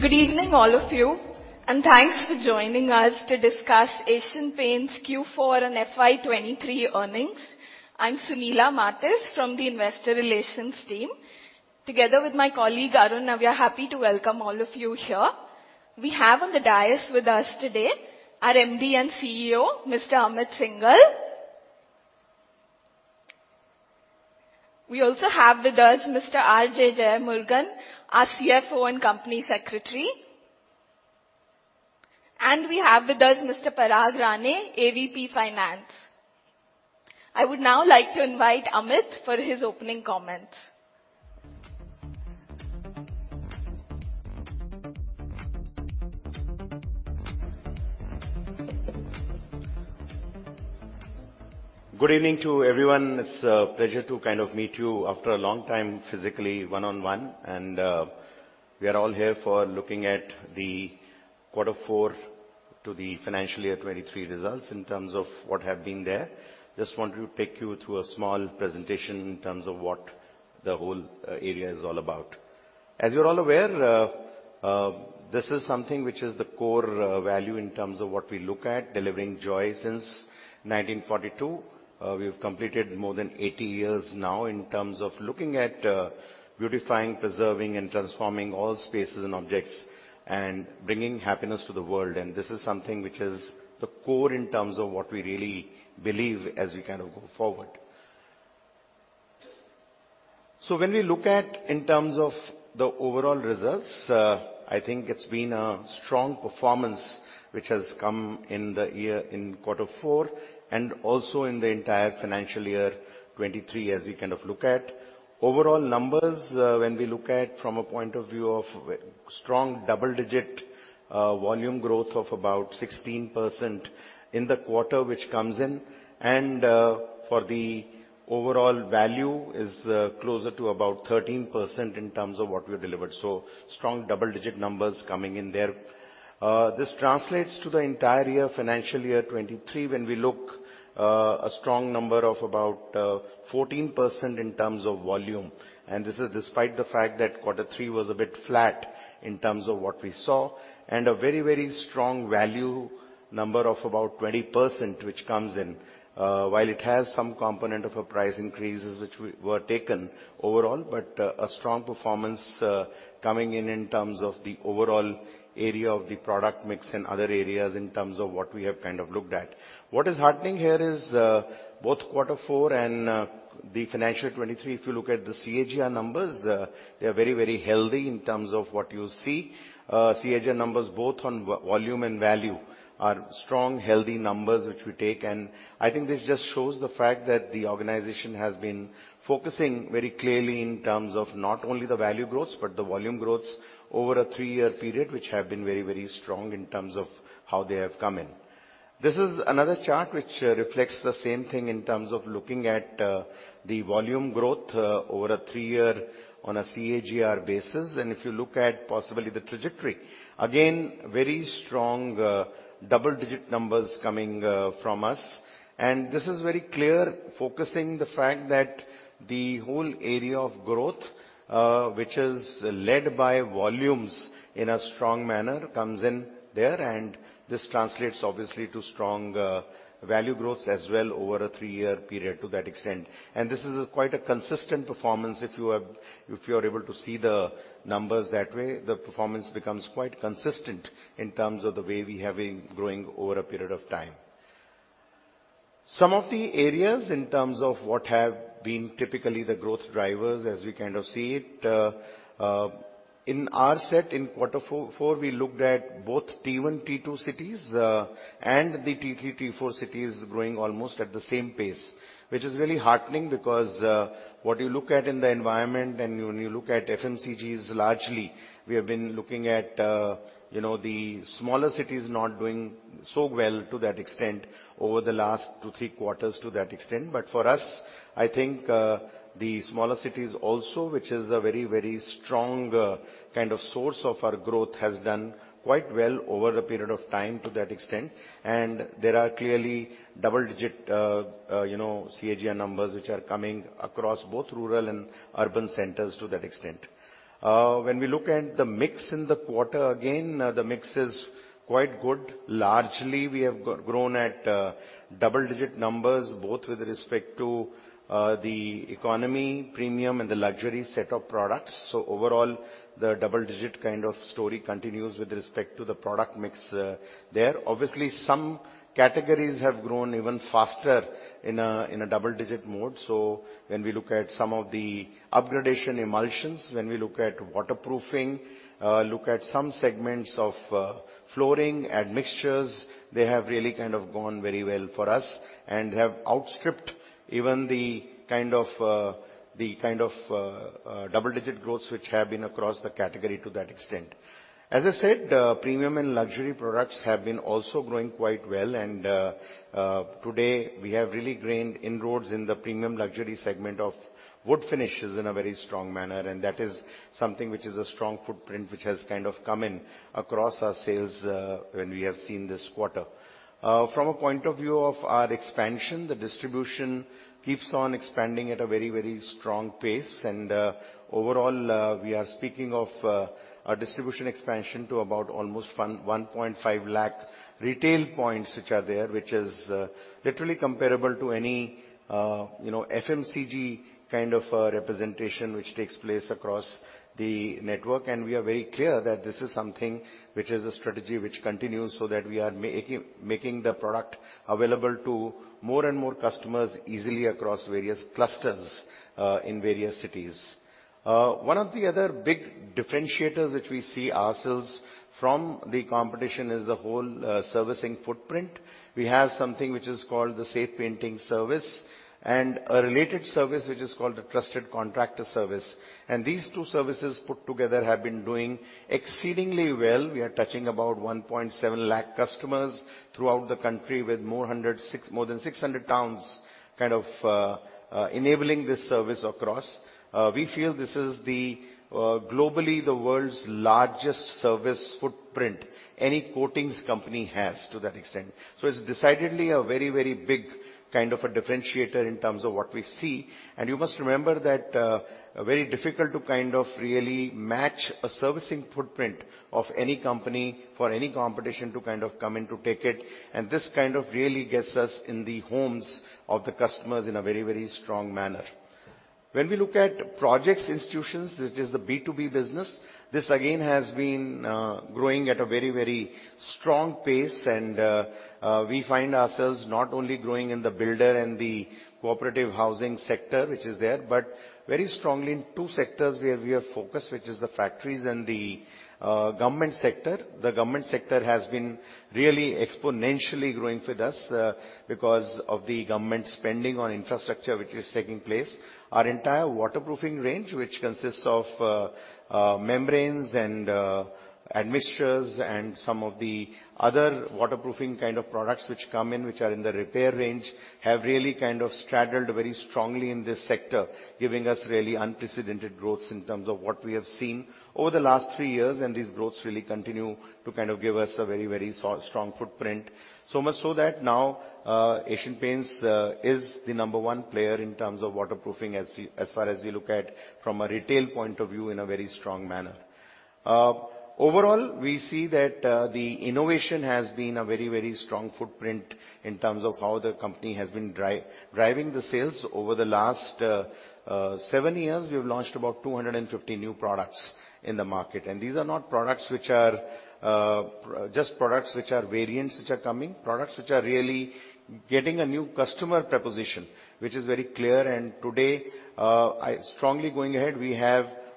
Good evening, all of you, and thanks for joining us to discuss Asian Paints Q4 and FY23 earnings. I'm Sunila Martis from the investor relations team. Together with my colleague, Arun, we are happy to welcome all of you here. We have on the dais with us today our MD and CEO, Mr. Amit Syngle. We also have with us Mr. R. J. Jeyamurugan, our CFO and Company Secretary. We have with us Mr. Parag Rane, AVP Finance. I would now like to invite Amit for his opening comments. Good evening to everyone. It's a pleasure to kind of meet you after a long time physically one on one, and we are all here for looking at the quarter four to the financial year 23 results in terms of what have been there. Just want to take you through a small presentation in terms of what the whole area is all about. As you're all aware, this is something which is the core value in terms of what we look at, delivering joy since 1942. We have completed more than 80 years now in terms of looking at beautifying, preserving, and transforming all spaces and objects and bringing happiness to the world. This is something which is the core in terms of what we really believe as we kind of go forward. When we look at in terms of the overall results, I think it's been a strong performance which has come in the year in quarter four and also in the entire financial year 2023, as we kind of look at. Overall numbers, when we look at from a point of view of strong double-digit volume growth of about 16% in the quarter which comes in and for the overall value is closer to about 13% in terms of what we delivered. Strong double-digit numbers coming in there. This translates to the entire year, financial year 2023, when we look a strong number of about 14% in terms of volume, and this is despite the fact that quarter 3 was a bit flat in terms of what we saw, and a very, very strong value number of about 20%, which comes in. While it has some component of a price increases which were taken overall, but a strong performance, coming in in terms of the overall area of the product mix and other areas in terms of what we have kind of looked at. What is heartening here is, both quarter 4 and the financial year 2023, if you look at the CAGR numbers, they are very, very healthy in terms of what you see. CAGR numbers both on volume and value are strong, healthy numbers which we take. I think this just shows the fact that the organization has been focusing very clearly in terms of not only the value growths, but the volume growths over a 3-year period, which have been very, very strong in terms of how they have come in. This is another chart which reflects the same thing in terms of looking at the volume growth over a 3-year on a CAGR basis. If you look at possibly the trajectory, again, very strong, double-digit numbers coming from us. This is very clear, focusing the fact that the whole area of growth, which is led by volumes in a strong manner, comes in there, and this translates obviously to strong value growth as well over a 3-year period to that extent. This is quite a consistent performance. If you are able to see the numbers that way, the performance becomes quite consistent in terms of the way we have been growing over a period of time. Some of the areas in terms of what have been typically the growth drivers as we kind of see it, in our set in quarter four, we looked at both T1, T2 cities and the T3, T4 cities growing almost at the same pace, which is really heartening because what you look at in the environment and when you look at FMCGs largely, we have been looking at, you know, the smaller cities not doing so well to that extent over the last two, three quarters to that extent. For us, I think, the smaller cities also, which is a very, very strong kind of source of our growth, has done quite well over a period of time to that extent. There are clearly double-digit, you know, CAGR numbers which are coming across both rural and urban centers to that extent. When we look at the mix in the quarter, again, the mix is quite good. Largely, we have grown at double-digit numbers, both with respect to the economy, premium, and the luxury set of products. Overall, the double-digit kind of story continues with respect to the product mix there. Obviously, some categories have grown even faster in a double-digit mode. When we look at some of the upgradation emulsions, when we look at waterproofing, look at some segments of flooring, admixtures, they have really kind of gone very well for us and have outstripped even the kind of double-digit growth which have been across the category to that extent. As I said, premium and luxury products have been also growing quite well. Today we have really gained inroads in the premium luxury segment of wood finishes in a very strong manner, and that is something which is a strong footprint which has kind of come in. Across our sales, when we have seen this quarter. From a point of view of our expansion, the distribution keeps on expanding at a very, very strong pace. Overall, we are speaking of a distribution expansion to about almost 1.5 lakh retail points which are there, which is literally comparable to any, you know, FMCG kind of a representation which takes place across the network. We are very clear that this is something which is a strategy which continues so that we are making the product available to more and more customers easily across various clusters in various cities. One of the other big differentiators which we see ourselves from the competition is the whole servicing footprint. We have something which is called the Safe Painting Service and a related service which is called the Trusted Contractor Service. These two services put together have been doing exceedingly well. We are touching about 1.7 lakh customers throughout the country with more than 600 towns kind of enabling this service across. We feel this is the globally, the world's largest service footprint any coatings company has to that extent. It's decidedly a very, very big kind of a differentiator in terms of what we see. You must remember that very difficult to kind of really match a servicing footprint of any company for any competition to kind of come in to take it. This kind of really gets us in the homes of the customers in a very, very strong manner. When we look at projects institutions, this is the B2B business. This again has been growing at a very, very strong pace. We find ourselves not only growing in the builder and the cooperative housing sector, which is there, but very strongly in two sectors where we are focused, which is the factories and the government sector. The government sector has been really exponentially growing with us because of the government spending on infrastructure, which is taking place. Our entire waterproofing range, which consists of membranes and admixtures and some of the other waterproofing kind of products which come in, which are in the repair range, have really kind of straddled very strongly in this sector, giving us really unprecedented growth in terms of what we have seen over the last 3 years. These growths really continue to kind of give us a very, very so-strong footprint. Much so that now, Asian Paints, is the number 1 player in terms of waterproofing as we, as far as we look at from a retail point of view in a very strong manner. Overall, we see that the innovation has been a very, very strong footprint in terms of how the company has been driving the sales over the last 7 years. We have launched about 250 new products in the market, and these are not products which are, just products which are variants which are coming, products which are really getting a new customer proposition, which is very clear. Today, I strongly going ahead, we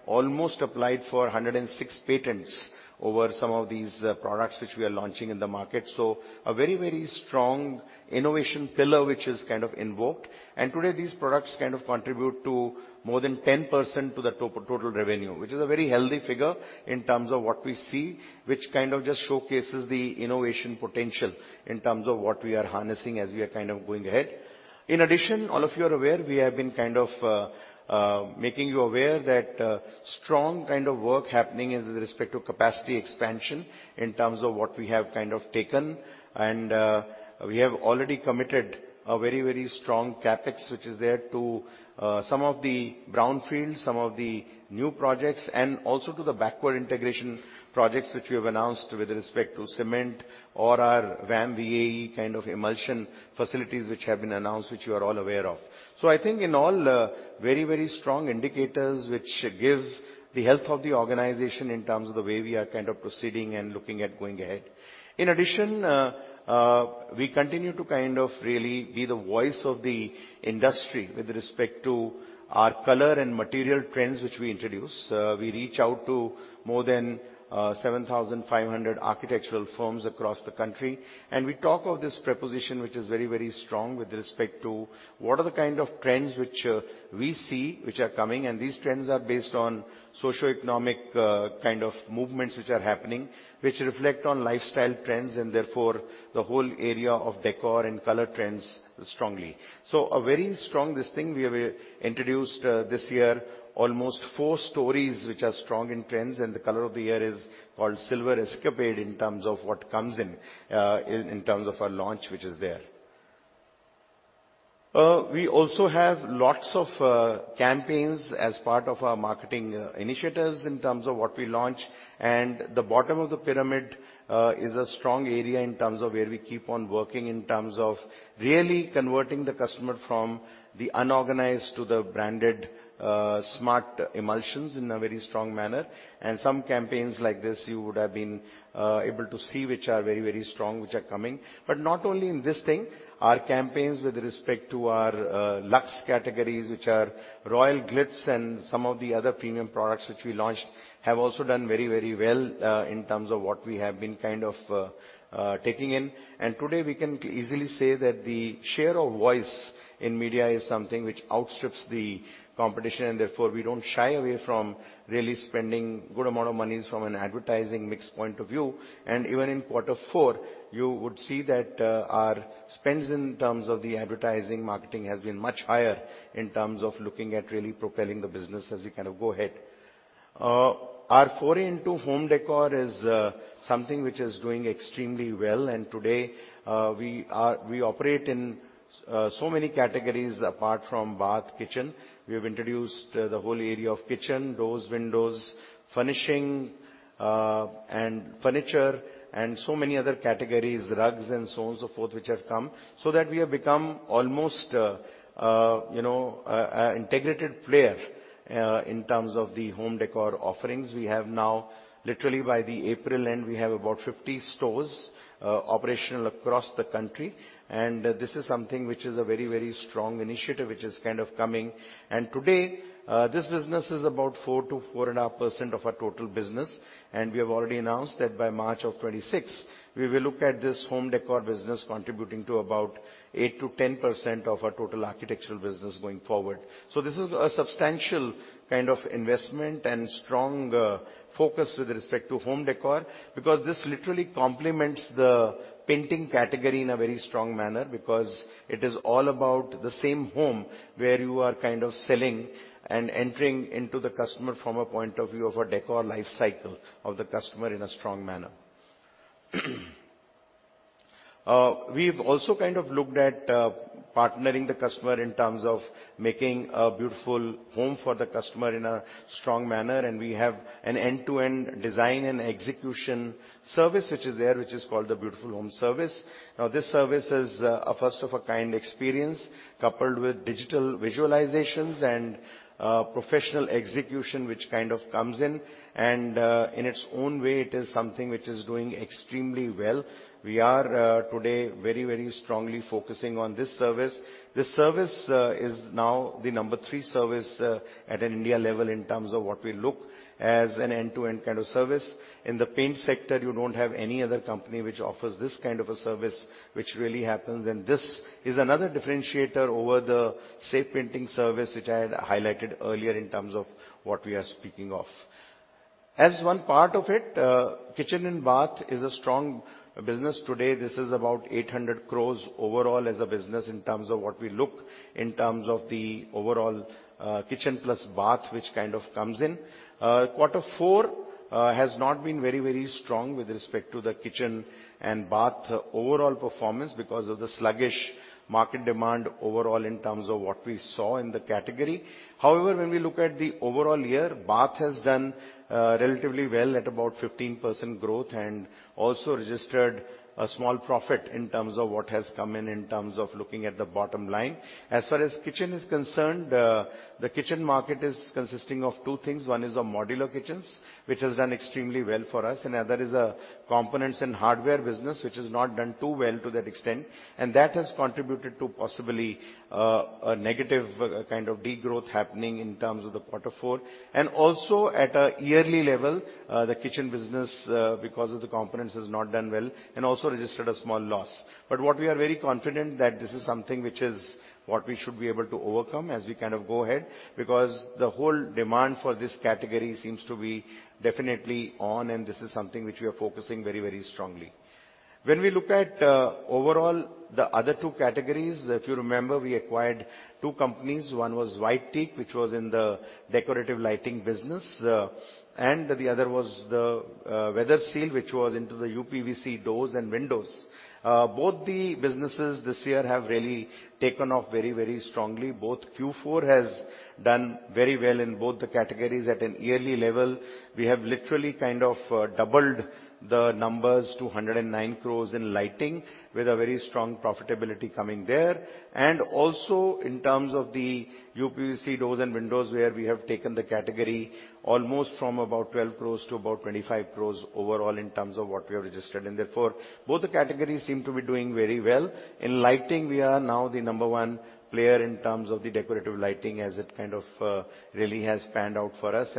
have almost applied for 106 patents over some of these products which we are launching in the market. A very strong innovation pillar which is kind of invoked. Today these products kind of contribute to more than 10% to the total revenue, which is a very healthy figure in terms of what we see, which kind of just showcases the innovation potential in terms of what we are harnessing as we are kind of going ahead. In addition, all of you are aware, we have been kind of making you aware that strong kind of work happening with respect to capacity expansion in terms of what we have kind of taken. We have already committed a very, very strong CapEx, which is there to some of the brownfields, some of the new projects, and also to the backward integration projects which we have announced with respect to cement or our VAM VA kind of emulsion facilities which have been announced, which you are all aware of. I think in all, very, very strong indicators which give the health of the organization in terms of the way we are kind of proceeding and looking at going ahead. In addition, we continue to kind of really be the voice of the industry with respect to our color and material trends which we introduce. We reach out to more than 7,500 architectural firms across the country. We talk of this preposition, which is very, very strong with respect to what are the kind of trends which we see which are coming. These trends are based on socioeconomic kind of movements which are happening, which reflect on lifestyle trends and therefore the whole area of decor and color trends strongly. A very strong, this thing we have introduced this year, almost four stories which are strong in trends and the color of the year is called Silver Escapade in terms of what comes in in terms of our launch, which is there. We also have lots of campaigns as part of our marketing initiatives in terms of what we launch. The bottom of the pyramid is a strong area in terms of where we keep on working, in terms of really converting the customer from the unorganized to the branded smart emulsions in a very strong manner. Some campaigns like this you would have been able to see which are very, very strong, which are coming. Not only in this thing, our campaigns with respect to our luxe categories, which are Royale Glitz and some of the other premium products which we launched, have also done very, very well in terms of what we have been kind of taking in. Today, we can easily say that the share of voice in media is something which outstrips the competition, and therefore we don't shy away from really spending good amount of monies from an advertising mix point of view. Even in quarter four, you would see that our spends in terms of the advertising marketing has been much higher in terms of looking at really propelling the business as we kind of go ahead. Our foray into home decor is something which is doing extremely well. Today, we operate in so many categories apart from bath, kitchen. We have introduced the whole area of kitchen, doors, windows, furnishing, and furniture, and so many other categories, rugs and so on, so forth, which have come, so that we have become almost a, you know, an integrated player in terms of the home decor offerings. We have now, literally by the April end, we have about 50 stores operational across the country. This is something which is a very, very strong initiative, which is kind of coming. Today, this business is about 4% to 4.5% of our total business. We have already announced that by March of 2026, we will look at this home decor business contributing to about 8% to 10% of our total architectural business going forward. This is a substantial kind of investment and strong focus with respect to home decor, because this literally complements the painting category in a very strong manner because it is all about the same home where you are kind of selling and entering into the customer from a point of view of a decor life cycle of the customer in a strong manner. We've also kind of looked at partnering the customer in terms of making a beautiful home for the customer in a strong manner. We have an end-to-end design and execution service which is there, which is called the Beautiful Homes Service. Now, this service is a first-of-a-kind experience coupled with digital visualizations and professional execution, which kind of comes in. In its own way, it is something which is doing extremely well. We are today very, very strongly focusing on this service. This service is now the number three service at an India level in terms of what we look as an end-to-end kind of service. In the paint sector, you don't have any other company which offers this kind of a service which really happens. This is another differentiator over the, say, painting service, which I had highlighted earlier in terms of what we are speaking of. As one part of it, kitchen and bath is a strong business today. This is about 800 crore overall as a business in terms of what we look in terms of the overall kitchen plus bath, which kind of comes in. Quarter four has not been very, very strong with respect to the kitchen and bath overall performance because of the sluggish market demand overall in terms of what we saw in the category. When we look at the overall year, bath has done relatively well at about 15% growth and also registered a small profit in terms of what has come in terms of looking at the bottom line. As far as kitchen is concerned, the kitchen market is consisting of two things. One is modular kitchens, which has done extremely well for us, another is components and hardware business, which has not done too well to that extent, and that has contributed to possibly a negative kind of degrowth happening in terms of the quarter four. Also at a yearly level, the kitchen business, because of the components, has not done well and also registered a small loss. What we are very confident that this is something which is what we should be able to overcome as we kind of go ahead, because the whole demand for this category seems to be definitely on, this is something which we are focusing very, very strongly. When we look at overall the other two categories, if you remember, we acquired two companies. One was White Teak, which was in the decorative lighting business, and the other was the Weatherseal, which was into the uPVC doors and windows. Both the businesses this year have really taken off very, very strongly. Both Q4 has done very well in both the categories at an yearly level. We have literally kind of doubled the numbers to 109 crores in lighting with a very strong profitability coming there. Also in terms of the uPVC doors and windows, where we have taken the category almost from about 12 crores to about 25 crores overall in terms of what we have registered. Therefore, both the categories seem to be doing very well. In lighting, we are now the number one player in terms of the decorative lighting as it kind of really has panned out for us.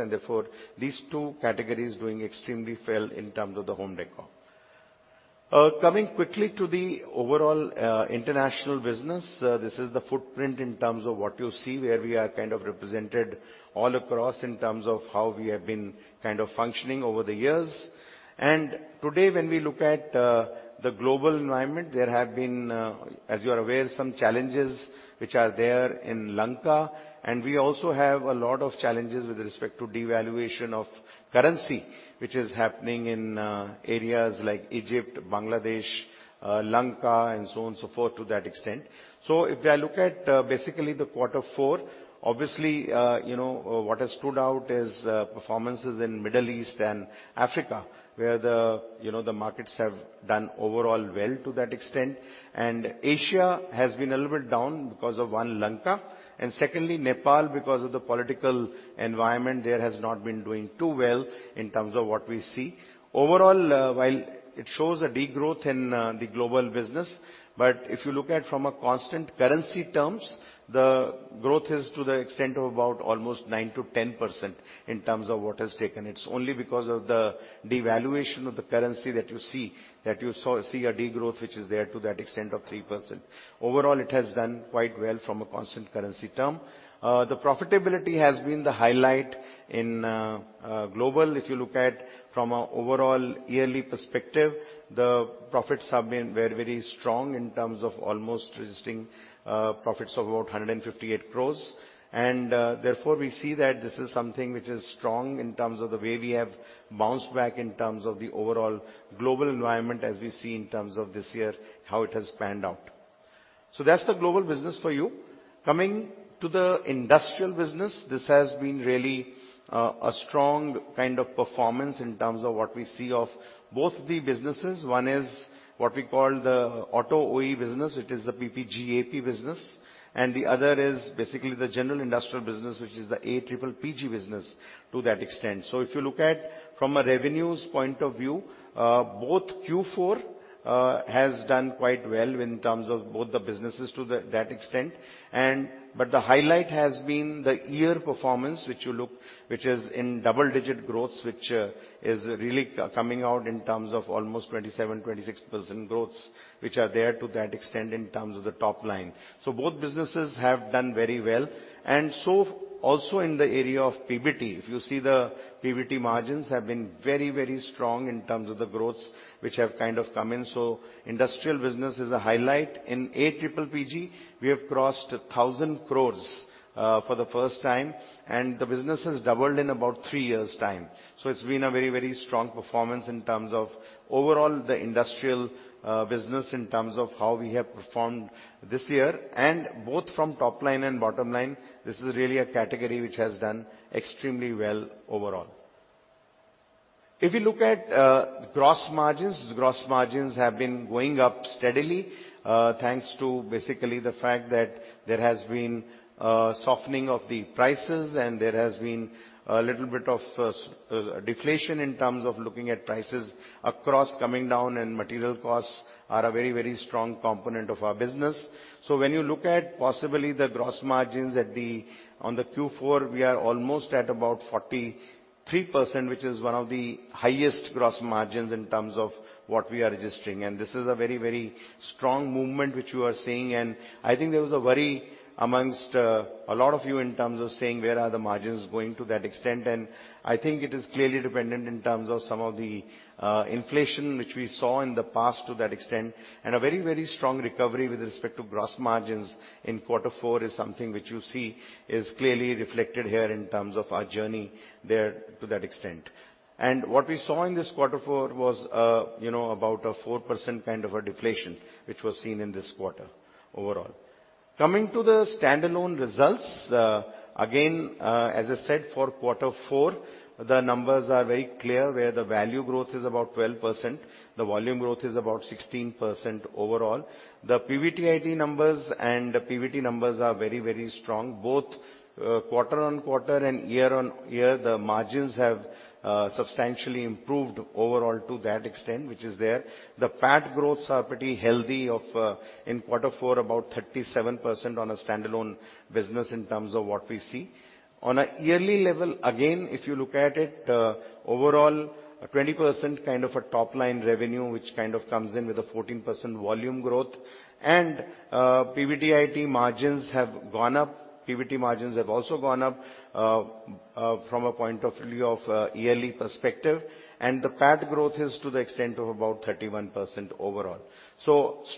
These two categories doing extremely well in terms of the home décor. Coming quickly to the overall international business, this is the footprint in terms of what you see, where we are kind of represented all across in terms of how we have been kind of functioning over the years. When we look at the global environment, there have been, as you are aware, some challenges which are there in Lanka. We also have a lot of challenges with respect to devaluation of currency, which is happening in areas like Egypt, Bangladesh, Lanka and so on, so forth, to that extent. If I look at basically the Q4, obviously, you know, what has stood out is performances in Middle East and Africa, where, you know, the markets have done overall well to that extent. Asia has been a little bit down because of, one, Lanka, and secondly, Nepal, because of the political environment there, has not been doing too well in terms of what we see. Overall, while it shows a degrowth in the global business, but if you look at from a constant currency terms, the growth is to the extent of about almost 9%-10% in terms of what has taken. It's only because of the devaluation of the currency that you see a degrowth which is there to that extent of 3%. ss has done quite well from a constant currency term. The profitability has been the highlight in global. If you look at from an overall yearly perspective, the profits have been very, very strong in terms of almost registering profits of about 158 crores. Therefore, we see that this is something which is strong in terms of the way we have bounced back in terms of the overall global environment as we see in terms of this year, how it has panned out. That's the global business for you. Coming to the industrial business, this has been really a strong kind of performance in terms of what we see of both the businesses. One is what we call the auto OE business It is the PPG AP business, and the other is basically the general industrial business, which is the APPG business to that extent. If you look at from a revenues point of view, both Q4 has done quite well in terms of both the businesses to that extent. The highlight has been the year performance, which you look, which is in double-digit growth, which is really coming out in terms of almost 27%, 26% growth, which are there to that extent in terms of the top line. Both businesses have done very well. Also in the area of PBT, if you see the PBT margins have been very, very strong in terms of the growth which have kind of come in. Industrial business is a highlight. In APPG, we have crossed 1,000 crores for the first time. The business has doubled in about 3 years' time. It's been a very, very strong performance in terms of overall the industrial business, in terms of how we have performed this year and both from top line and bottom line, this is really a category which has done extremely well overall. If you look at gross margins. Gross margins have been going up steadily, thanks to basically the fact that there has been softening of the prices. There has been a little bit of deflation in terms of looking at prices across coming down. Material costs are a very, very strong component of our business. When you look at possibly the gross margins on the Q4, we are almost at about 43%, which is one of the highest gross margins in terms of what we are registering. This is a very, very strong movement which you are seeing. I think there was a worry amongst a lot of you in terms of saying, where are the margins going to that extent? I think it is clearly dependent in terms of some of the inflation which we saw in the past to that extent, and a very, very strong recovery with respect to gross margins in quarter four is something which you see is clearly reflected here in terms of our journey there to that extent. What we saw in this quarter four was, you know, about a 4% kind of a deflation which was seen in this quarter overall. Coming to the standalone results. Again, as I said, for quarter four, the numbers are very clear, where the value growth is about 12%, the volume growth is about 16% overall. The PBTIT numbers and the PBT numbers are very, very strong. Both, quarter-on-quarter and year-on-year, the margins have substantially improved overall to that extent, which is there. The PAT growths are pretty healthy of, in quarter four, about 37% on a standalone business in terms of what we see. On a yearly level, again, if you look at it, overall, a 20% kind of a top line revenue, which kind of comes in with a 14% volume growth. PBIT margins have gone up. PBT margins have also gone up from a point of view of yearly perspective, and the PAT growth is to the extent of about 31% overall.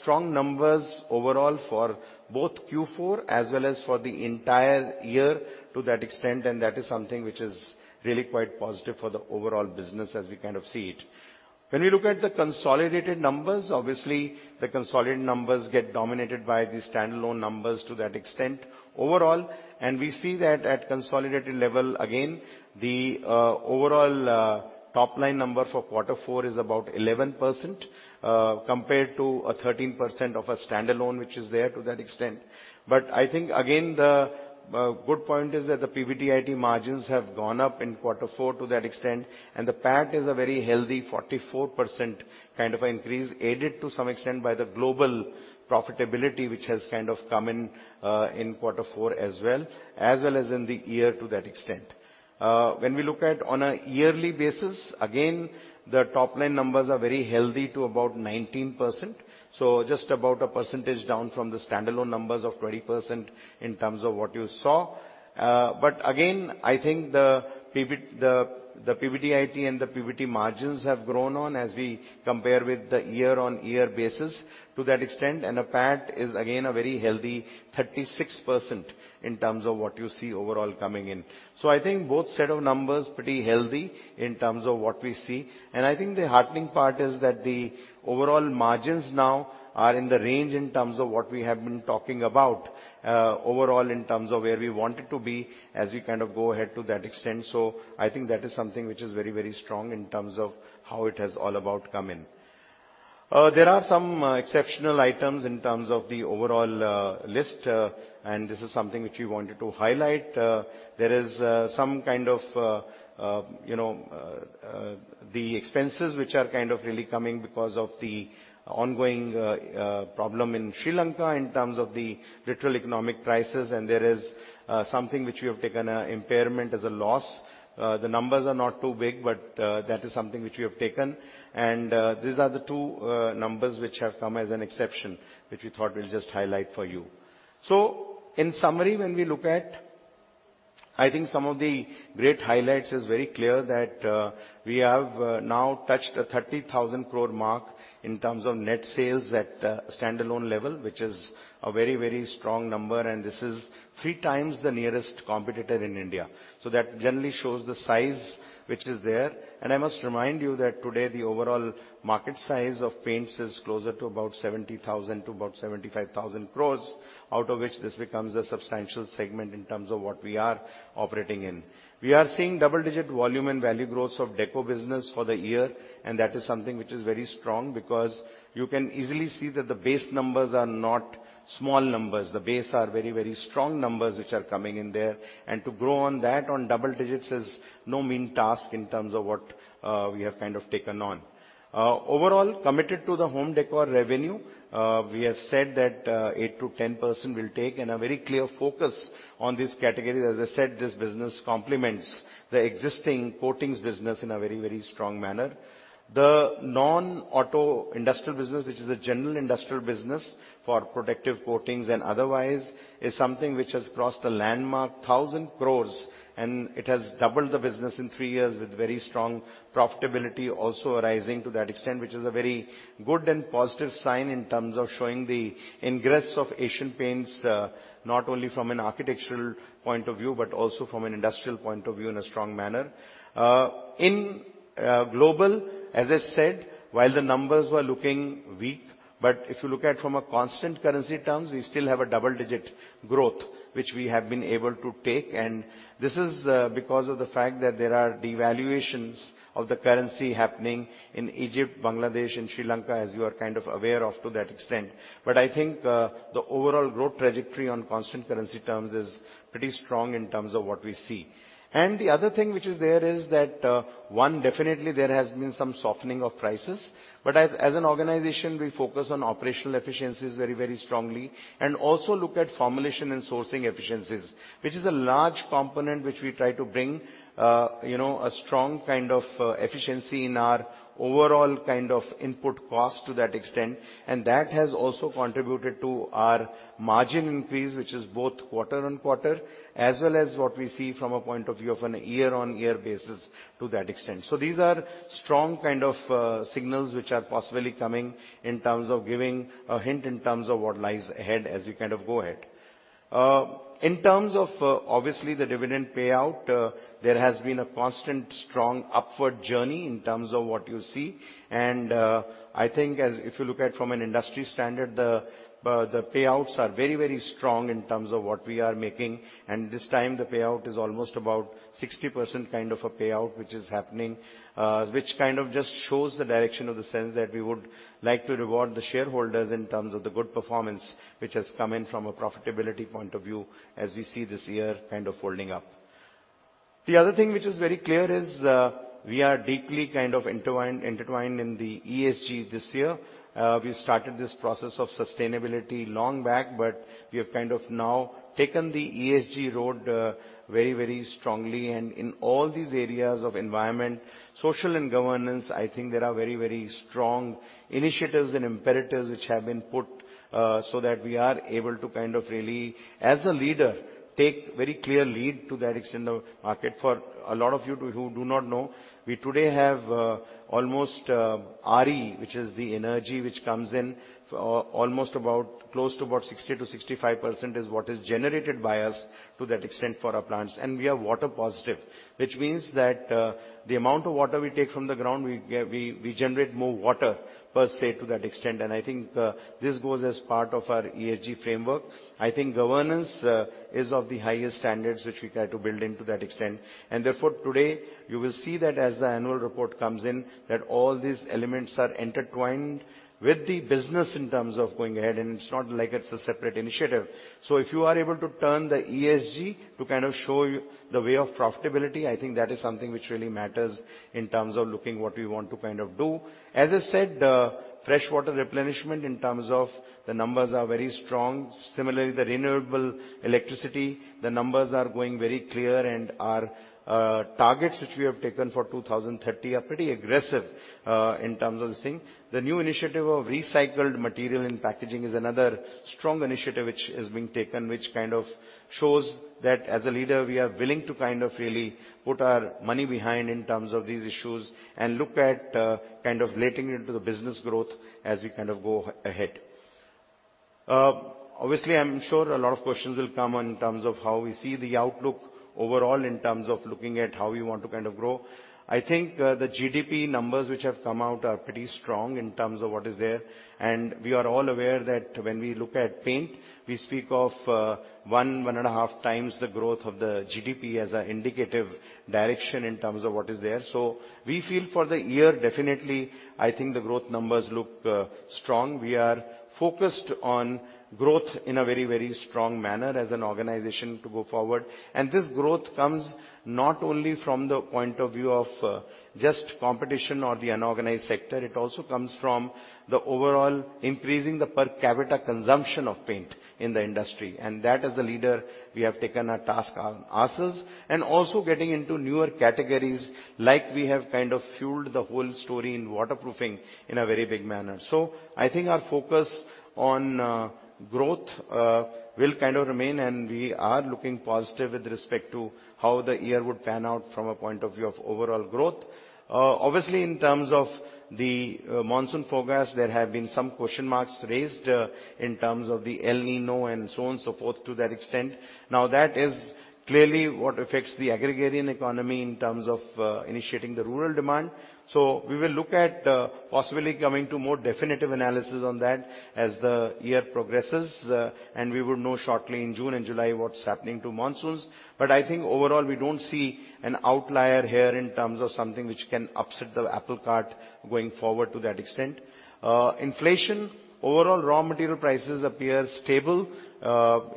Strong numbers overall for both Q4 as well as for the entire year to that extent. That is something which is really quite positive for the overall business as we kind of see it. When we look at the consolidated numbers, obviously the consolidated numbers get dominated by the standalone numbers to that extent overall. We see that at consolidated level, again, the overall top line number for quarter four is about 11%, compared to a 13% of a standalone, which is there to that extent. I think again, the good point is that the PBTIT margins have gone up in quarter four to that extent, and the PAT is a very healthy 44% kind of an increase, aided to some extent by the global profitability, which has kind of come in quarter four as well, as well as in the year to that extent. When we look at on a yearly basis, again, the top line numbers are very healthy to about 19%, so just about 1 percentage down from the standalone numbers of 20% in terms of what you saw. Again, I think the PBTIT and the PBT margins have grown on as we compare with the year-over-year basis to that extent. The PAT is again a very healthy 36% in terms of what you see overall coming in. I think both set of numbers pretty healthy in terms of what we see. I think the heartening part is that the overall margins now are in the range in terms of what we have been talking about overall in terms of where we want it to be as we kind of go ahead to that extent. I think that is something which is very, very strong in terms of how it has all about come in. There are some exceptional items in terms of the overall list. This is something which we wanted to highlight. There is some kind of, you know, the expenses which are kind of really coming because of the ongoing problem in Sri Lanka in terms of the literal economic crisis. There is something which we have taken a impairment as a loss. The numbers are not too big, but that is something which we have taken. These are the two numbers which have come as an exception, which we thought we'll just highlight for you. In summary, when we look at-I think some of the great highlights is very clear that we have now touched an 30,000 crore mark in terms of net sales at a standalone level, which is a very, very strong number. This is 3 times the nearest competitor in India. That generally shows the size which is there. I must remind you that today the overall market size of Paints is closer to about 70,000 crore-about 75,000 crore, out of which this becomes a substantial segment in terms of what we are operating in. We are seeing double-digit volume and value growth of Decorative business for the year, that is something which is very strong because you can easily see that the base numbers are not small numbers. The base are very, very strong numbers which are coming in there. To grow on that on double digits is no mean task in terms of what we have kind of taken on. Overall, committed to the Home Decor revenue, we have said that 8%-10% will take and a very clear focus on this category. As I said, this business complements the existing coatings business in a very, very strong manner. The non-auto industrial business, which is a general industrial business for protective coatings and otherwise, is something which has crossed the landmark 1,000 crores, and it has doubled the business in 3 years with very strong profitability also rising to that extent, which is a very good and positive sign in terms of showing the ingress of Asian Paints, not only from an architectural point of view, but also from an industrial point of view in a strong manner. In global, as I said, while the numbers were looking weak, if you look at from a constant currency terms, we still have a double-digit growth, which we have been able to take. This is because of the fact that there are devaluations of the currency happening in Egypt, Bangladesh and Sri Lanka, as you are kind of aware of to that extent. I think the overall growth trajectory on constant currency terms is pretty strong in terms of what we see. The other thing which is there is that, one, definitely there has been some softening of prices. As an organization, we focus on operational efficiencies very strongly and also look at formulation and sourcing efficiencies, which is a large component which we try to bring, you know, a strong kind of efficiency in our overall kind of input cost to that extent. That has also contributed to our margin increase, which is both quarter-on-quarter, as well as what we see from a point of view of an year-on-year basis to that extent. These are strong kind of signals which are possibly coming in terms of giving a hint in terms of what lies ahead as we kind of go ahead. In terms of, obviously the dividend payout, there has been a constant strong upward journey in terms of what you see. I think if you look at from an industry standard, the payouts are very, very strong in terms of what we are making. This time the payout is almost about 60% kind of a payout, which is happening, which kind of just shows the direction of the sense that we would like to reward the shareholders in terms of the good performance which has come in from a profitability point of view as we see this year kind of holding up. The other thing which is very clear is, we are deeply kind of intertwined in the ESG this year. We started this process of sustainability long back, but we have kind of now taken the ESG road very, very strongly. In all these areas of environment, social, and governance, I think there are very, very strong initiatives and imperatives which have been put so that we are able to kind of really, as a leader, take very clear lead to that extent of market. For a lot of you who do not know, we today have almost RE, which is the energy which comes in, almost about close to about 60%-65% is what is generated by us to that extent for our plants. We are water positive, which means that the amount of water we take from the ground, we generate more water per se to that extent. I think this goes as part of our ESG framework. I think governance is of the highest standards which we try to build into that extent. Therefore, today, you will see that as the annual report comes in, that all these elements are intertwined with the business in terms of going ahead, and it's not like it's a separate initiative. If you are able to turn the ESG to kind of show the way of profitability, I think that is something which really matters in terms of looking what we want to kind of do. As I said, freshwater replenishment in terms of the numbers are very strong. Similarly, the renewable electricity, the numbers are going very clear, and our targets which we have taken for 2030 are pretty aggressive in terms of this thing. The new initiative of recycled material in packaging is another strong initiative which is being taken, which kind of shows that as a leader, we are willing to kind of really put our money behind in terms of these issues and look at kind of letting into the business growth as we kind of go ahead. Obviously, I'm sure a lot of questions will come on in terms of how we see the outlook overall in terms of looking at how we want to kind of grow. I think the GDP numbers which have come out are pretty strong in terms of what is there. We are all aware that when we look at paint, we speak of one and a half times the growth of the GDP as a indicative direction in terms of what is there. We feel for the year, definitely, I think the growth numbers look strong. We are focused on growth in a very, very strong manner as an organization to go forward. This growth comes not only from the point of view of just competition or the unorganized sector, it also comes from the overall increasing the per capita consumption of paint in the industry. That as a leader, we have taken a task on ourselves. Also getting into newer categories like we have kind of fueled the whole story in waterproofing in a very big manner. I think our focus on growth will kind of remain, and we are looking positive with respect to how the year would pan out from a point of view of overall growth. Obviously in terms of the monsoon forecast, there have been some question marks raised in terms of the El Niño and so on, so forth to that extent. That is clearly what affects the agrarian economy in terms of initiating the rural demand. We will look at possibly coming to more definitive analysis on that as the year progresses, and we will know shortly in June and July what's happening to monsoons. I think overall, we don't see an outlier here in terms of something which can upset the apple cart going forward to that extent. Inflation, overall raw material prices appear stable.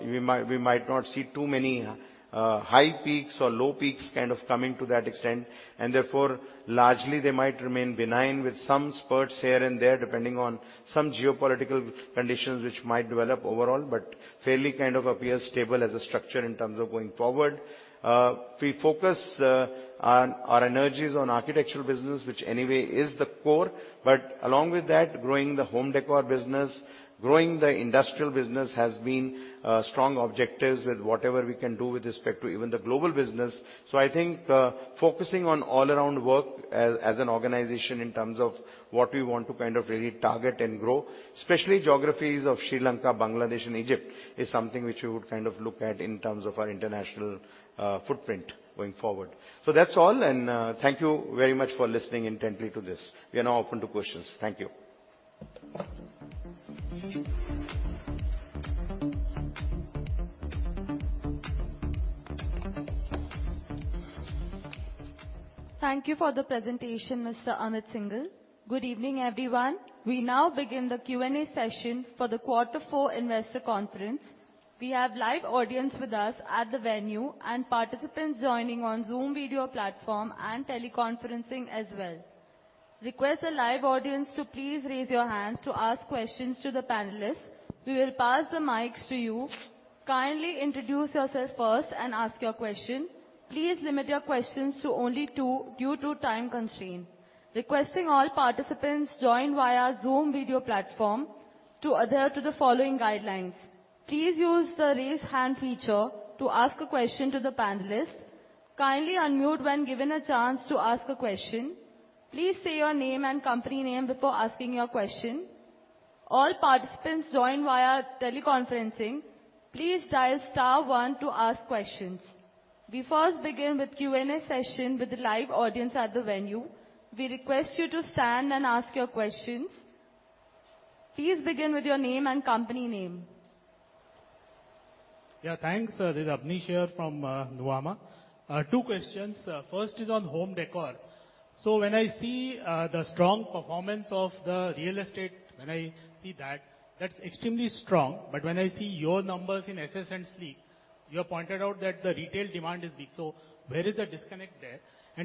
We might not see too many high peaks or low peaks kind of coming to that extent, therefore, largely they might remain benign with some spurts here and there, depending on some geopolitical conditions which might develop overall, but fairly kind of appear stable as a structure in terms of going forward. We focus on our energies on architectural business, which anyway is the core. Along with that, growing the home decor business, growing the industrial business has been strong objectives with whatever we can do with respect to even the global business. I think, focusing on all around work as an organization in terms of what we want to kind of really target and grow, especially geographies of Sri Lanka, Bangladesh and Egypt is something which we would kind of look at in terms of our international footprint going forward. That's all, and, thank you very much for listening intently to this. We are now open to questions. Thank you. Thank you for the presentation, Mr. Amit Syngle. Good evening, everyone. We now begin the Q&A session for the Quarter Four Investor Conference. We have live audience with us at the venue and participants joining on Zoom video platform and teleconferencing as well. Request the live audience to please raise your hands to ask questions to the panelists. We will pass the mics to you. Kindly introduce yourself first and ask your question. Please limit your questions to only 2 due to time constraint. Requesting all participants joined via Zoom video platform to adhere to the following guidelines. Please use the Raise Hand feature to ask a question to the panelists. Kindly unmute when given a chance to ask a question. Please say your name and company name before asking your question. All participants joined via teleconferencing, please dial star one to ask questions. We first begin with Q&A session with the live audience at the venue. We request you to stand and ask your questions. Please begin with your name and company name. Yeah, thanks. This is Abneesh here from Nuvama. Two questions. First is on home decor. When I see the strong performance of the real estate, when I see that's extremely strong. When I see your numbers in Ess Ess and Sleek, you have pointed out that the retail demand is weak. Where is the disconnect there?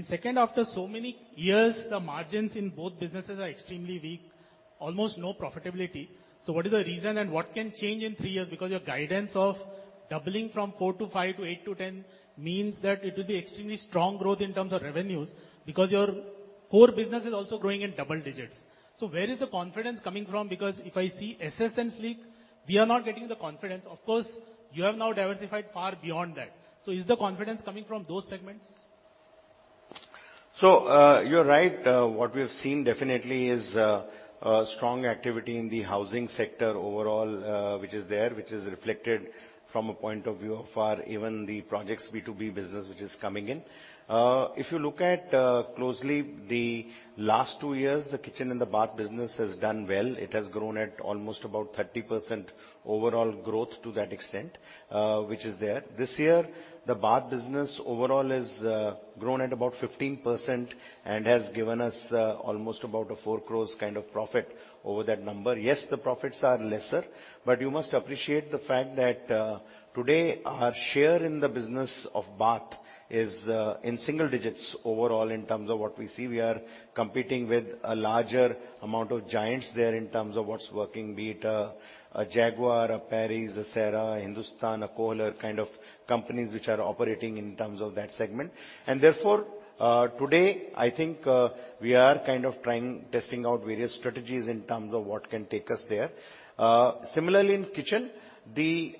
Second, after so many years, the margins in both businesses are extremely weak, almost no profitability. What is the reason and what can change in three years? Because your guidance of doubling from 4 to 5 to 8 to 10 means that it will be extremely strong growth in terms of revenues because your core business is also growing in double digits. Where is the confidence coming from? Because if I see Ess Ess and Sleek, we are not getting the confidence. Of course, you have now diversified far beyond that. Is the confidence coming from those segments? You're right. What we have seen definitely is a strong activity in the housing sector overall, which is there, which is reflected from a point of view for even the projects B2B business which is coming in. If you look at closely the last two years, the kitchen and the bath business has done well. It has grown at almost about 30% overall growth to that extent, which is there. This year, the bath business overall has grown at about 15% and has given us almost about an 4 crores kind of profit over that number. Yes, the profits are lesser, but you must appreciate the fact that today our share in the business of bath is in single digits overall in terms of what we see. We are competing with a larger amount of giants there in terms of what's working, be it a Jaquar, a Parryware, a Cera, Hindware, a Kohler kind of companies which are operating in terms of that segment. Therefore, today I think, we are kind of trying, testing out various strategies in terms of what can take us there. Similarly in kitchen, the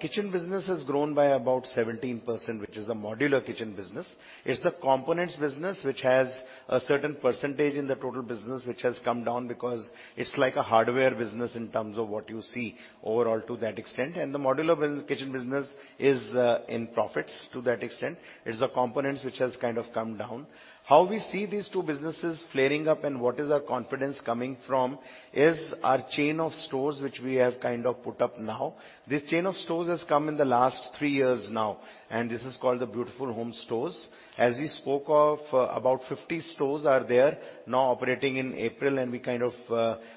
kitchen business has grown by about 17%, which is a modular kitchen business. It's the components business which has a certain percentage in the total business, which has come down because it's like a hardware business in terms of what you see overall to that extent. The modular kitchen business is in profits to that extent. It's the components which has kind of come down. How we see these two businesses flaring up and what is our confidence coming from is our chain of stores, which we have kind of put up now. This chain of stores has come in the last 3 years now, and this is called the Beautiful Homes Stores. As we spoke of, about 50 stores are there now operating in April, and we kind of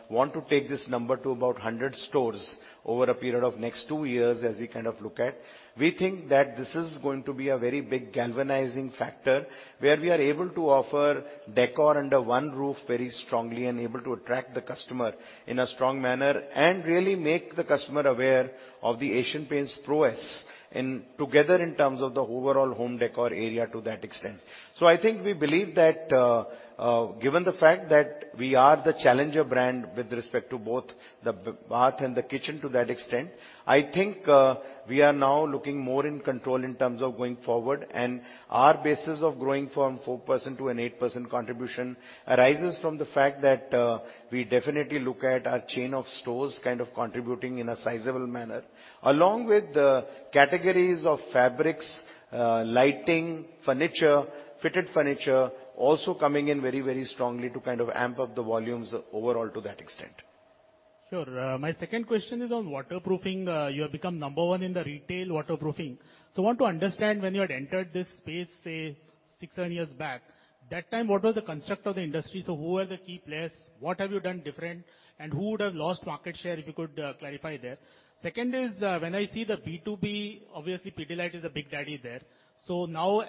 want to take this number to about 100 stores over a period of next 2 years as we kind of look at. We think that this is going to be a very big galvanizing factor where we are able to offer decor under one roof very strongly and able to attract the customer in a strong manner and really make the customer aware of the Asian Paints prowess in, together in terms of the overall home decor area to that extent. I think we believe that, given the fact that we are the challenger brand with respect to both the bath and the kitchen to that extent, I think, we are now looking more in control in terms of going forward. Our basis of growing from 4% to an 8% contribution arises from the fact that, we definitely look at our chain of stores kind of contributing in a sizable manner. Along with the categories of fabrics, lighting, furniture, fitted furniture also coming in very, very strongly to kind of amp up the volumes overall to that extent. Sure. My second question is on waterproofing. You have become number 1 in the retail waterproofing. I want to understand when you had entered this space say 6, 7 years back, that time what was the construct of the industry? Who were the key players? What have you done different? Who would have lost market share, if you could clarify there. Second is, when I see the B2B, obviously Pidilite is the big daddy there. Now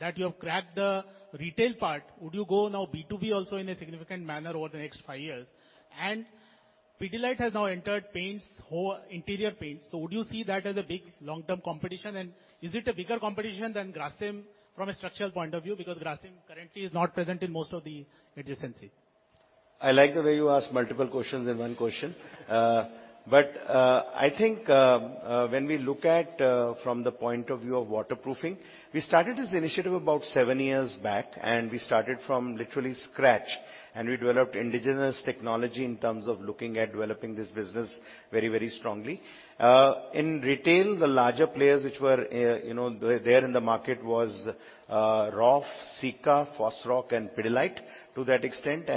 that you have cracked the retail part, would you go now B2B also in a significant manner over the next 5 years? Pidilite has now entered paints, whole interior paints, would you see that as a big long-term competition? Is it a bigger competition than Grasim from a structural point of view? Because Grasim currently is not present in most of the adjacencies. I like the way you ask multiple questions in one question. But, I think, when we look at from the point of view of waterproofing, we started this initiative about seven years back and we started from literally scratch and we developed indigenous technology in terms of looking at developing this business very, very strongly. In retail, the larger players which were, you know, there in the market was Roff, Sika, Fosroc and Pidilite to that extent.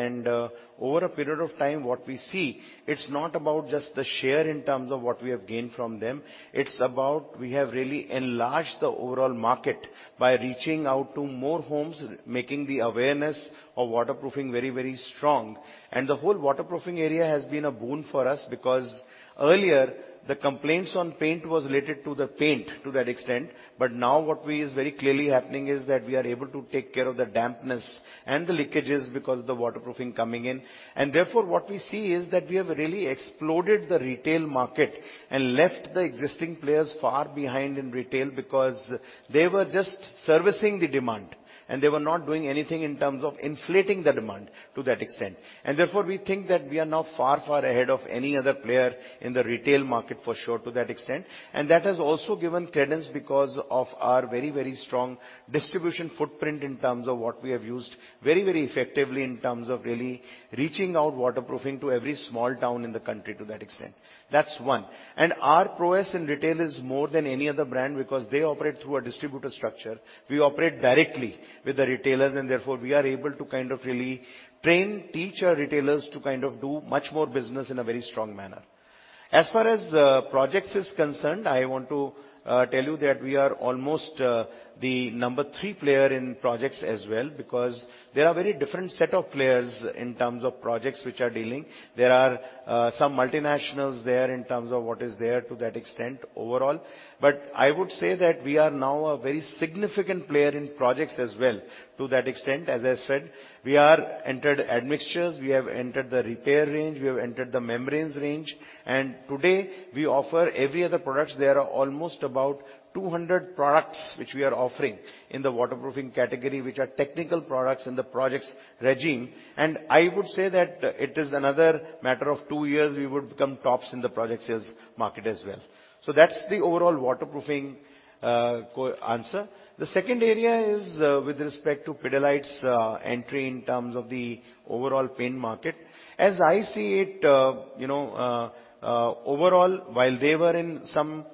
Over a period of time, what we see, it's not about just the share in terms of what we have gained from them. It's about we have really enlarged the overall market by reaching out to more homes, making the awareness of waterproofing very, very strong. The whole waterproofing area has been a boon for us because earlier the complaints on paint was related to the paint to that extent, but now what we is very clearly happening is that we are able to take care of the dampness and the leakages because of the waterproofing coming in. Therefore, what we see is that we have really exploded the retail market and left the existing players far behind in retail because they were just servicing the demand and they were not doing anything in terms of inflating the demand to that extent. Therefore, we think that we are now far, far ahead of any other player in the retail market for sure to that extent. That has also given credence because of our very, very strong distribution footprint in terms of what we have used very, very effectively in terms of really reaching out waterproofing to every small town in the country to that extent. That's one. Our prowess in retail is more than any other brand because they operate through a distributor structure. We operate directly with the retailers and therefore we are able to kind of really train, teach our retailers to kind of do much more business in a very strong manner. As far as projects is concerned, I want to tell you that we are almost the number three player in projects as well because there are very different set of players in terms of projects which are dealing. There are some multinationals there in terms of what is there to that extent overall. I would say that we are now a very significant player in projects as well to that extent. As I said, we are entered admixtures, we have entered the repair range, we have entered the membranes range, and today we offer every other products. There are almost about 200 products which we are offering in the waterproofing category, which are technical products in the projects regime. I would say that it is another matter of 2 years, we would become tops in the projects market as well. That's the overall waterproofing answer. The second area is with respect to Pidilite's entry in terms of the overall paint market. As I see it, you know, overall, while they were in some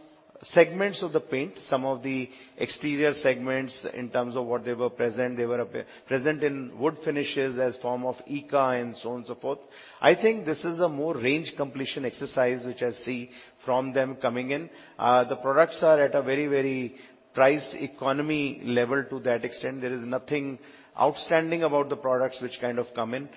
segments of the paint, some of the exterior segments in terms of what they were present, they were a bit present in wood finishes as form of Eka and so on and so forth. I think this is a more range completion exercise, which I see from them coming in. The products are at a very, very price economy level to that extent. There is nothing outstanding about the products which kind of come in.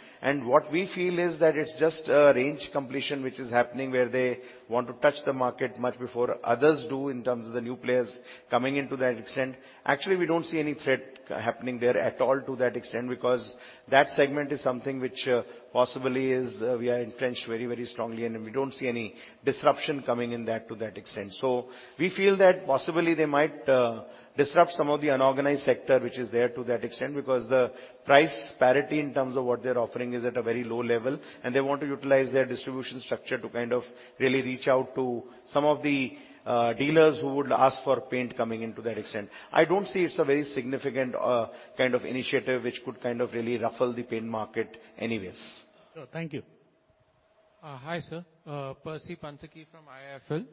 What we feel is that it's just a range completion which is happening where they want to touch the market much before others do in terms of the new players coming into that extent. We don't see any threat happening there at all to that extent, because that segment is something which possibly is, we are entrenched very, very strongly, and we don't see any disruption coming in that to that extent. We feel that possibly they might disrupt some of the unorganized sector which is there to that extent because the price parity in terms of what they're offering is at a very low level, and they want to utilize their distribution structure to kind of really reach out to some of the dealers who would ask for paint coming in to that extent. I don't see it's a very significant kind of initiative which could kind of really ruffle the paint market anyways. Sure. Thank you. Hi sir. Percy Panthaky from IIFL.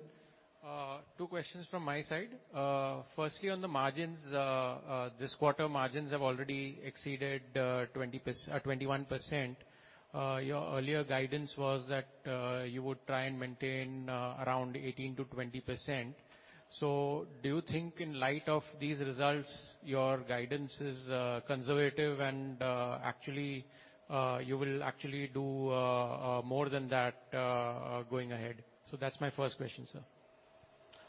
Two questions from my side. Firstly, on the margins. This quarter margins have already exceeded 21%. Your earlier guidance was that you would try and maintain around 18%-20%. Do you think in light of these results, your guidance is conservative and actually you will actually do more than that going ahead? That's my first question, sir.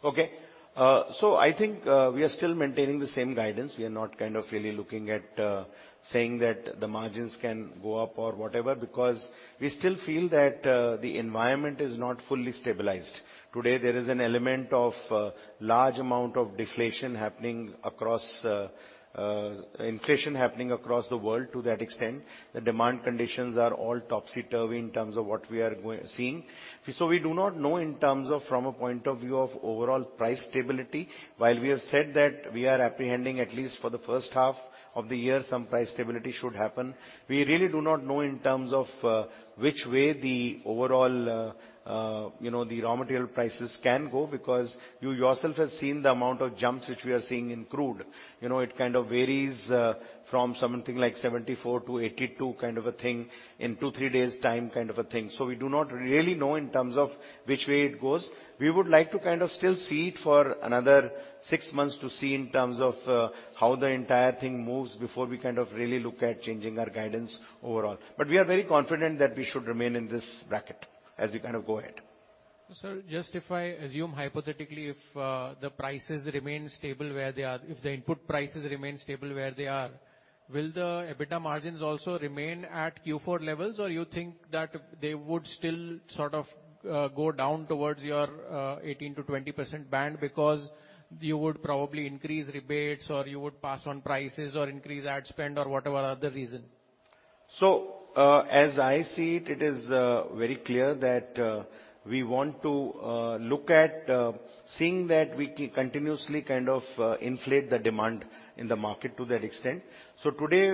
Okay. I think, we are still maintaining the same guidance. We are not kind of really looking at, saying that the margins can go up or whatever, because we still feel that, the environment is not fully stabilized. Today, there is an element of, large amount of deflation happening across, inflation happening across the world to that extent. The demand conditions are all topsy-turvy in terms of what we are seeing. We do not know in terms of from a point of view of overall price stability. While we have said that we are apprehending, at least for the first half of the year, some price stability should happen, we really do not know in terms of which way the overall, you know, the raw material prices can go because you yourself have seen the amount of jumps which we are seeing in crude. You know, it kind of varies from something like $74-$82 kind of a thing in two, three days time kind of a thing. We do not really know in terms of which way it goes. We would like to kind of still see it for another six months to see in terms of how the entire thing moves before we kind of really look at changing our guidance overall. We are very confident that we should remain in this bracket as we kind of go ahead. Sir, just if I assume hypothetically, if the prices remain stable where they are, if the input prices remain stable where they are, will the EBITDA margins also remain at Q4 levels? You think that they would still sort of go down towards your 18%-20% band because you would probably increase rebates or you would pass on prices or increase ad spend or whatever other reason? As I see it is very clear that we want to look at seeing that we continuously kind of inflate the demand in the market to that extent. Today,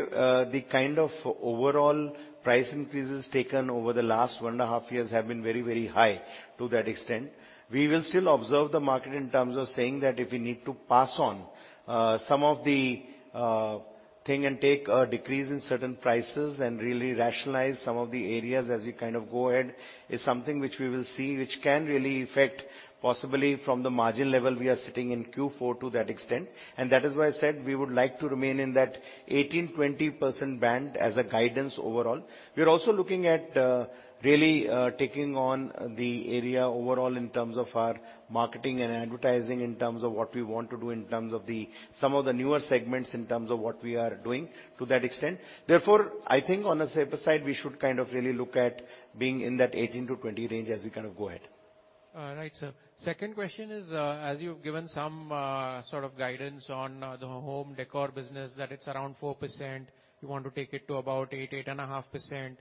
the kind of overall price increases taken over the last 1.5 years have been very, very high to that extent. We will still observe the market in terms of saying that if we need to pass on some of the thing and take a decrease in certain prices and really rationalize some of the areas as we kind of go ahead, is something which we will see which can really affect possibly from the margin level we are sitting in Q4 to that extent. That is why I said we would like to remain in that 18%-20% band as a guidance overall. We are also looking at really taking on the area overall in terms of our marketing and advertising, in terms of what we want to do, in terms of the some of the newer segments, in terms of what we are doing to that extent. I think on a safer side, we should kind of really look at being in that 18%-20% range as we kind of go ahead. All right, sir. Second question is, as you've given some sort of guidance on the home decor business, that it's around 4%. You want to take it to about 8.5%.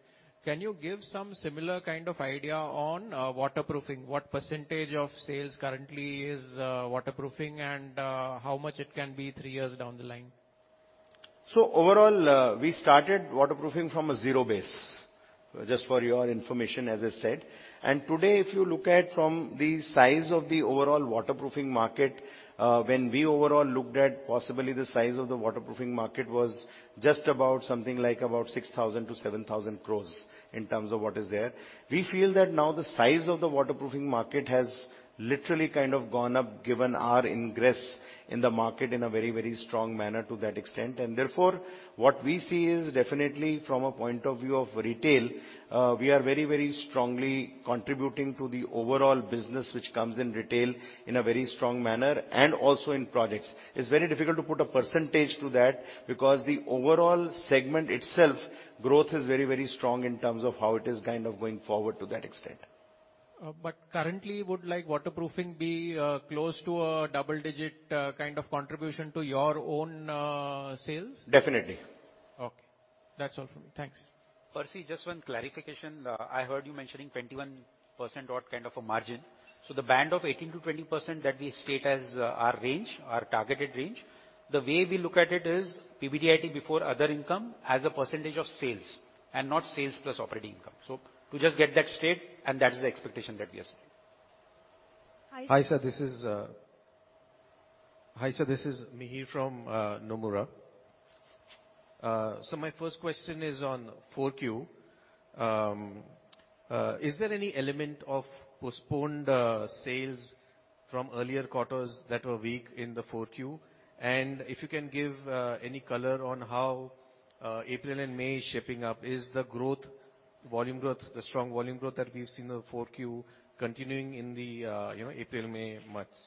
Can you give some similar kind of idea on waterproofing? What percentage of sales currently is waterproofing and how much it can be 3 years down the line? Overall, we started waterproofing from a zero base, just for your information, as I said. Today, if you look at from the size of the overall waterproofing market, when we overall looked at possibly the size of the waterproofing market was just about something like about 6,000 crore-7,000 crore in terms of what is there. We feel that now the size of the waterproofing market has literally kind of gone up, given our ingress in the market in a very, very strong manner to that extent. Therefore, what we see is definitely from a point of view of retail, we are very, very strongly contributing to the overall business, which comes in retail in a very strong manner and also in projects. It's very difficult to put a percentage to that because the overall segment itself, growth is very, very strong in terms of how it is kind of going forward to that extent. Currently would like waterproofing be close to a double digit kind of contribution to your own sales? Definitely. Okay. That's all for me. Thanks. Percy, just one clarification. I heard you mentioning 21%, what kind of a margin? The band of 18%-20% that we state as our range, our targeted range, the way we look at it is PBDIT before other income as a % of sales and not sales plus operating income. To just get that straight, and that is the expectation that we are seeing. Hi. Hi, sir. This is Mihir from Nomura. My first question is on 4Q. Is there any element of postponed sales from earlier quarters that were weak in the 4Q? If you can give any color on how April and May is shaping up, is the volume growth, the strong volume growth that we've seen in the 4Q continuing in the, you know, April/May months?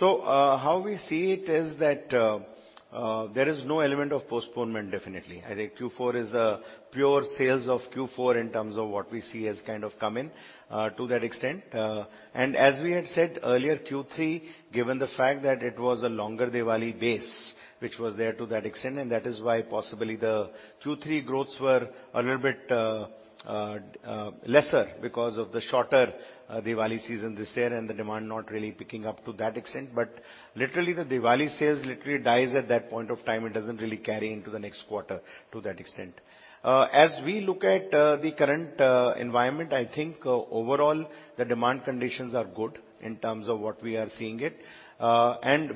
How we see it is that there is no element of postponement, definitely. I think Q4 is a pure sales of Q4 in terms of what we see as kind of come in to that extent. As we had said earlier, Q3, given the fact that it was a longer Diwali base, which was there to that extent, and that is why possibly the Q3 growths were a little bit lesser because of the shorter Diwali season this year, and the demand not really picking up to that extent. Literally, the Diwali sales literally dies at that point of time. It doesn't really carry into the next quarter to that extent. As we look at the current environment, I think overall, the demand conditions are good in terms of what we are seeing it.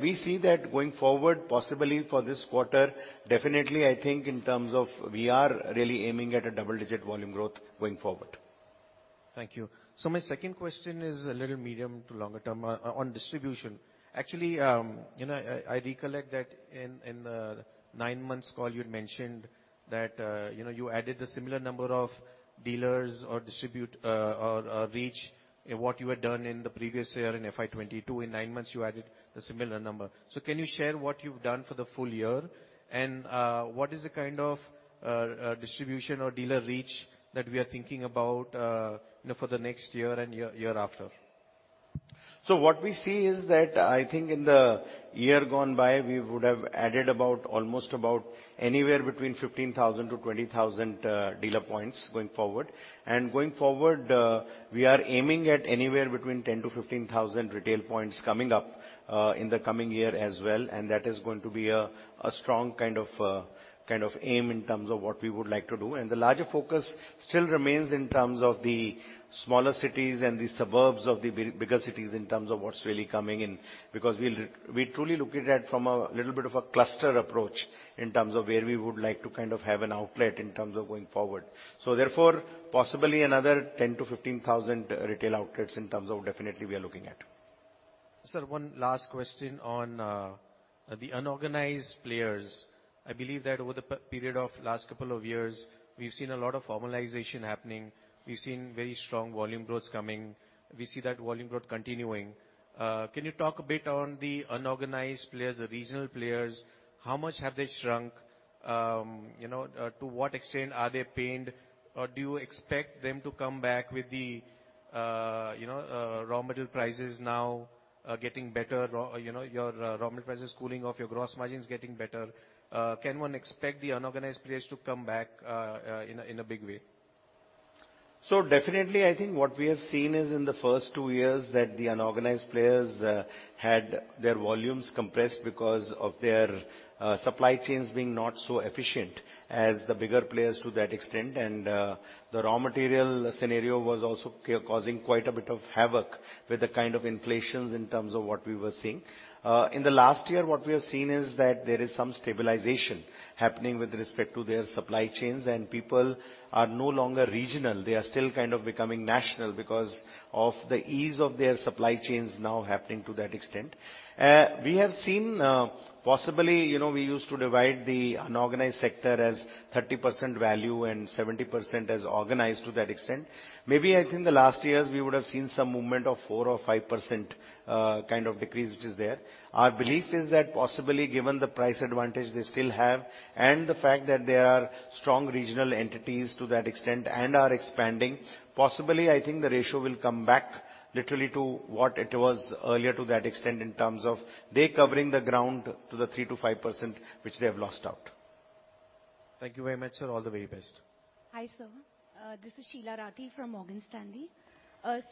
We see that going forward, possibly for this quarter, definitely, I think in terms of we are really aiming at a double-digit volume growth going forward. Thank you. My second question is a little medium to longer term on distribution. Actually, you know, I recollect that in the 9 months call you'd mentioned that, you know, you added a similar number of dealers or distribute or reach what you had done in the previous year in FY22. In 9 months, you added a similar number. Can you share what you've done for the full year? What is the kind of distribution or dealer reach that we are thinking about, you know, for the next year and year after? What we see is that, I think in the year gone by, we would have added almost anywhere between 15,000-20,000 dealer points going forward. Going forward, we are aiming at anywhere between 10,000-15,000 retail points coming up in the coming year as well. That is going to be a strong kind of aim in terms of what we would like to do. The larger focus still remains in terms of the smaller cities and the suburbs of the bigger cities in terms of what's really coming in, because we truly look at it from a little bit of a cluster approach in terms of where we would like to kind of have an outlet in terms of going forward. Therefore, possibly another 10,000-15,000 retail outlets in terms of definitely we are looking at. Sir, one last question on the unorganized players. I believe that over the period of last couple of years, we've seen a lot of formalization happening. We've seen very strong volume growths coming. We see that volume growth continuing. Can you talk a bit on the unorganized players, the regional players? How much have they shrunk? You know, to what extent are they pained? Do you expect them to come back with the, you know, raw material prices now getting better? You know, your raw material prices cooling off, your gross margin is getting better. Can one expect the unorganized players to come back in a big way? Definitely, I think what we have seen is in the first two years that the unorganized players had their volumes compressed because of their supply chains being not so efficient as the bigger players to that extent. The raw material scenario was also causing quite a bit of havoc with the kind of inflation in terms of what we were seeing. In the last year, what we have seen is that there is some stabilization happening with respect to their supply chains, and people are no longer regional. They are still kind of becoming national because of the ease of their supply chains now happening to that extent. We have seen, possibly, you know, we used to divide the unorganized sector as 30% value and 70% as organized to that extent. Maybe I think the last years, we would have seen some movement of 4% or 5%, kind of decrease which is there. Our belief is that possibly given the price advantage they still have and the fact that they are strong regional entities to that extent and are expanding, possibly, I think the ratio will come back literally to what it was earlier to that extent in terms of they covering the ground to the 3%-5% which they have lost out. Thank you very much, sir. All the very best. Hi, sir. This is Shilpa Rathi from Morgan Stanley.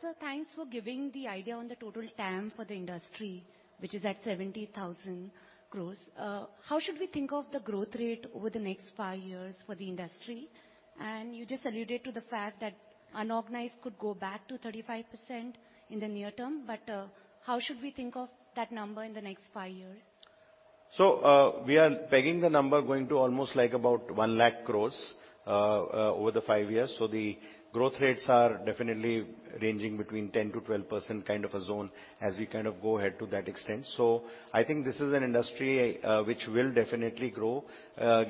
Sir, thanks for giving the idea on the total TAM for the industry, which is at 70,000 crores. How should we think of the growth rate over the next five years for the industry? You just alluded to the fact that unorganized could go back to 35% in the near term, how should we think of that number in the next five years? We are pegging the number going to almost like about 1 lakh crores over the five years. The growth rates are definitely ranging between 10%-12% kind of a zone as we kind of go ahead to that extent. I think this is an industry which will definitely grow.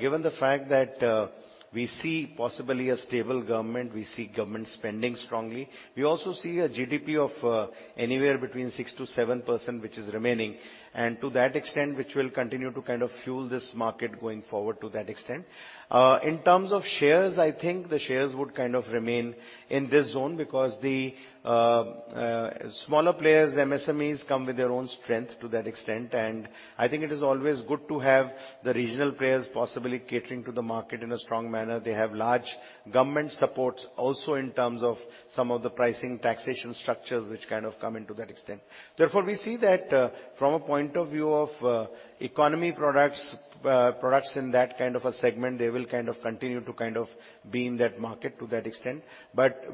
Given the fact that, we see possibly a stable government, we see government spending strongly. We also see a GDP of anywhere between 6%-7%, which is remaining, and to that extent, which will continue to kind of fuel this market going forward to that extent. In terms of shares, I think the shares would kind of remain in this zone because the smaller players, MSMEs, come with their own strength to that extent. I think it is always good to have the regional players possibly catering to the market in a strong manner. They have large government supports also in terms of some of the pricing taxation structures which kind of come into that extent. We see that, from a point of view of economy products in that kind of a segment, they will kind of continue to kind of be in that market to that extent.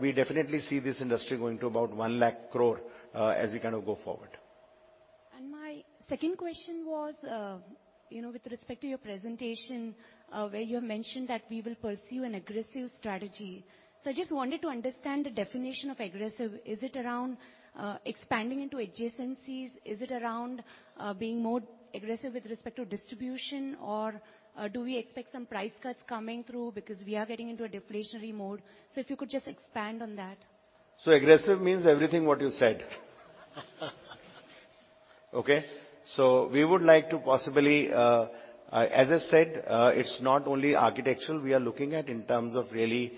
We definitely see this industry going to about 1 lakh crore as we kind of go forward. Second question was, you know, with respect to your presentation, where you have mentioned that we will pursue an aggressive strategy. I just wanted to understand the definition of aggressive. Is it around expanding into adjacencies? Is it around being more aggressive with respect to distribution? Do we expect some price cuts coming through because we are getting into a deflationary mode? If you could just expand on that. Aggressive means everything what you said. Okay? We would like to possibly, as I said, it's not only architectural we are looking at in terms of really,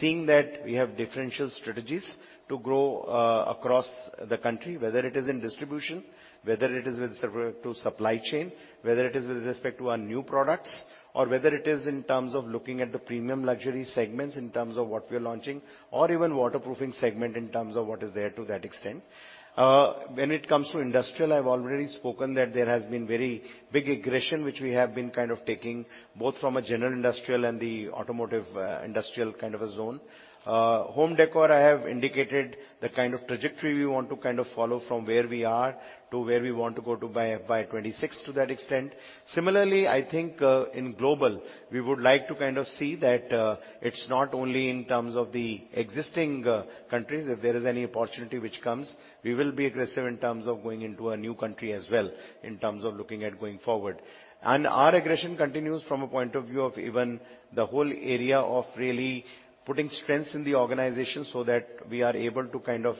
seeing that we have differential strategies to grow across the country, whether it is in distribution, whether it is with respect to supply chain, whether it is with respect to our new products or whether it is in terms of looking at the premium luxury segments in terms of what we are launching or even waterproofing segment in terms of what is there to that extent. When it comes to industrial, I've already spoken that there has been very big aggression, which we have been kind of taking both from a general industrial and the automotive, industrial kind of a zone. Home decor, I have indicated the kind of trajectory we want to kind of follow from where we are to where we want to go to by 2026 to that extent. Similarly, I think, in global, we would like to kind of see that it's not only in terms of the existing countries, if there is any opportunity which comes, we will be aggressive in terms of going into a new country as well, in terms of looking at going forward. Our aggression continues from a point of view of even the whole area of really putting strengths in the organization so that we are able to kind of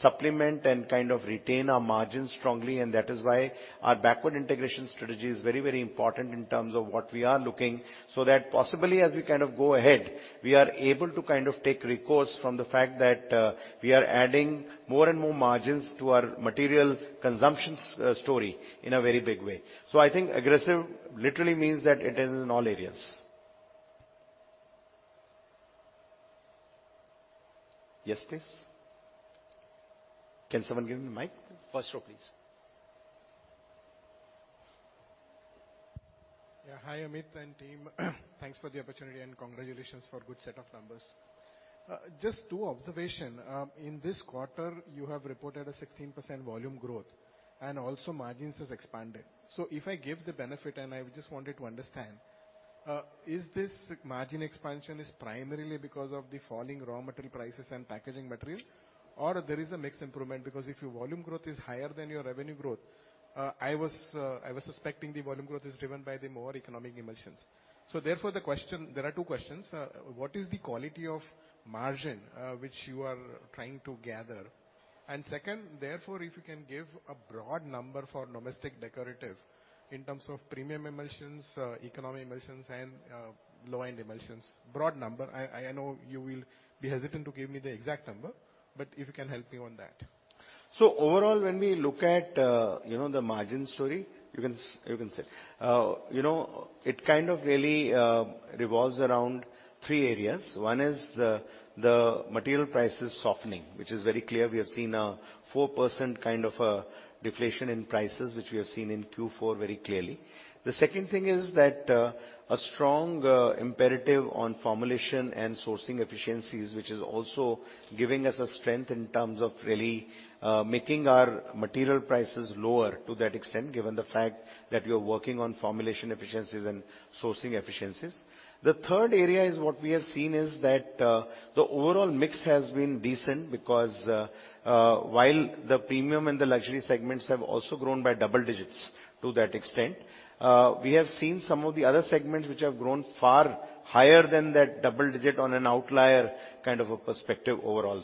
supplement and kind of retain our margins strongly. That is why our backward integration strategy is very, very important in terms of what we are looking, so that possibly as we kind of go ahead, we are able to kind of take recourse from the fact that we are adding more and more margins to our material consumption story in a very big way. I think aggressive literally means that it is in all areas. Yes, please. Can someone give him the mic? First row, please. Hi, Amit and team. Thanks for the opportunity and congratulations for good set of numbers. Just 2 observation. In this quarter, you have reported a 16% volume growth and also margins has expanded. If I give the benefit and I just wanted to understand, is this margin expansion is primarily because of the falling raw material prices and packaging material, or there is a mix improvement? If your volume growth is higher than your revenue growth, I was suspecting the volume growth is driven by the more economic emulsions. There are 2 questions. What is the quality of margin which you are trying to gather? Second, therefore, if you can give a broad number for domestic Decorative in terms of premium emulsions, economic emulsions and low-end emulsions. Broad number. I know you will be hesitant to give me the exact number, but if you can help me on that. Overall, when we look at, you know, the margin story, you can sit. You know, it kind of really revolves around three areas. One is the material prices softening, which is very clear. We have seen a 4% kind of a deflation in prices, which we have seen in Q4 very clearly. The second thing is that a strong imperative on formulation and sourcing efficiencies, which is also giving us a strength in terms of really making our material prices lower to that extent, given the fact that we are working on formulation efficiencies and sourcing efficiencies. The third area is what we have seen is that the overall mix has been decent because while the premium and the luxury segments have also grown by double digits to that extent, we have seen some of the other segments which have grown far higher than that double digit on an outlier kind of a perspective overall.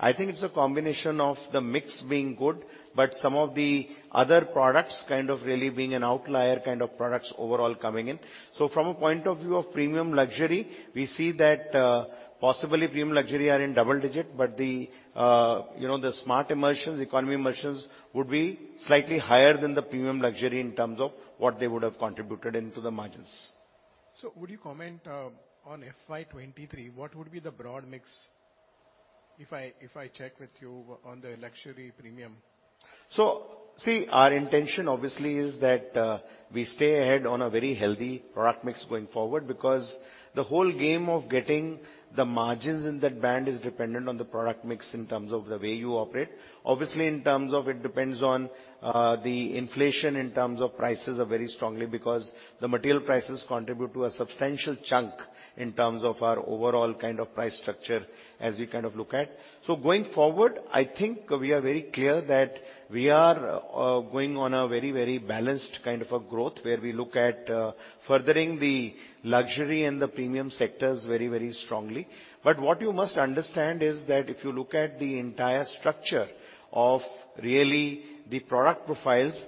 I think it's a combination of the mix being good, but some of the other products kind of really being an outlier kind of products overall coming in. From a point of view of premium luxury, we see that possibly premium luxury are in double digit. But the, you know, the smart emulsions, economy emulsions would be slightly higher than the premium luxury in terms of what they would have contributed into the margins. Would you comment on FY23? What would be the broad mix if I check with you on the luxury premium? Our intention obviously is that we stay ahead on a very healthy product mix going forward because the whole game of getting the margins in that band is dependent on the product mix in terms of the way you operate. Obviously, in terms of it depends on the inflation in terms of prices are very strongly because the material prices contribute to a substantial chunk in terms of our overall kind of price structure as we kind of look at. Going forward, I think we are very clear that we are going on a very, very balanced kind of a growth where we look at furthering the luxury and the premium sectors very, very strongly. What you must understand is that if you look at the entire structure of really the product profiles,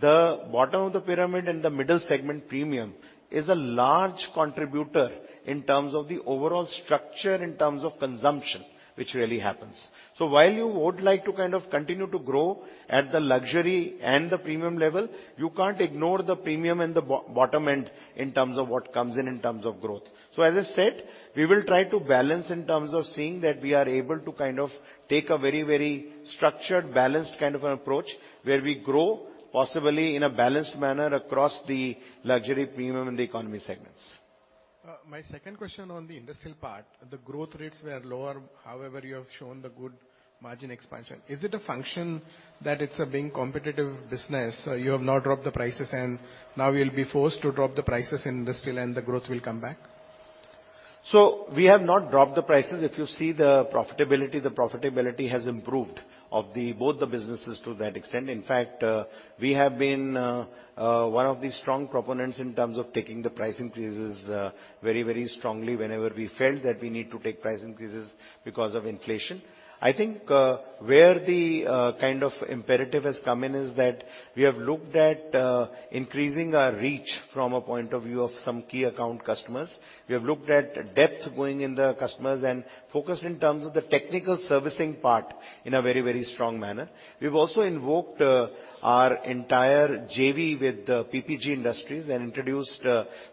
the bottom of the pyramid and the middle segment premium is a large contributor in terms of the overall structure, in terms of consumption, which really happens. While you would like to kind of continue to grow at the luxury and the premium level, you can't ignore the premium and the bottom end in terms of what comes in terms of growth. As I said, we will try to balance in terms of seeing that we are able to kind of take a very, very structured, balanced kind of an approach where we grow possibly in a balanced manner across the luxury premium and the economy segments. My second question on the industrial part, the growth rates were lower, however, you have shown the good margin expansion. Is it a function that it's a being competitive business, you have not dropped the prices, and now you'll be forced to drop the prices in industrial and the growth will come back? We have not dropped the prices. If you see the profitability, the profitability has improved of both the businesses to that extent. In fact, we have been one of the strong proponents in terms of taking the price increases very, very strongly whenever we felt that we need to take price increases because of inflation. I think, where the kind of imperative has come in is that we have looked at increasing our reach from a point of view of some key account customers. We have looked at depth going in the customers and focused in terms of the technical servicing part in a very, very strong manner. We've also invoked our entire JV with PPG Industries and introduced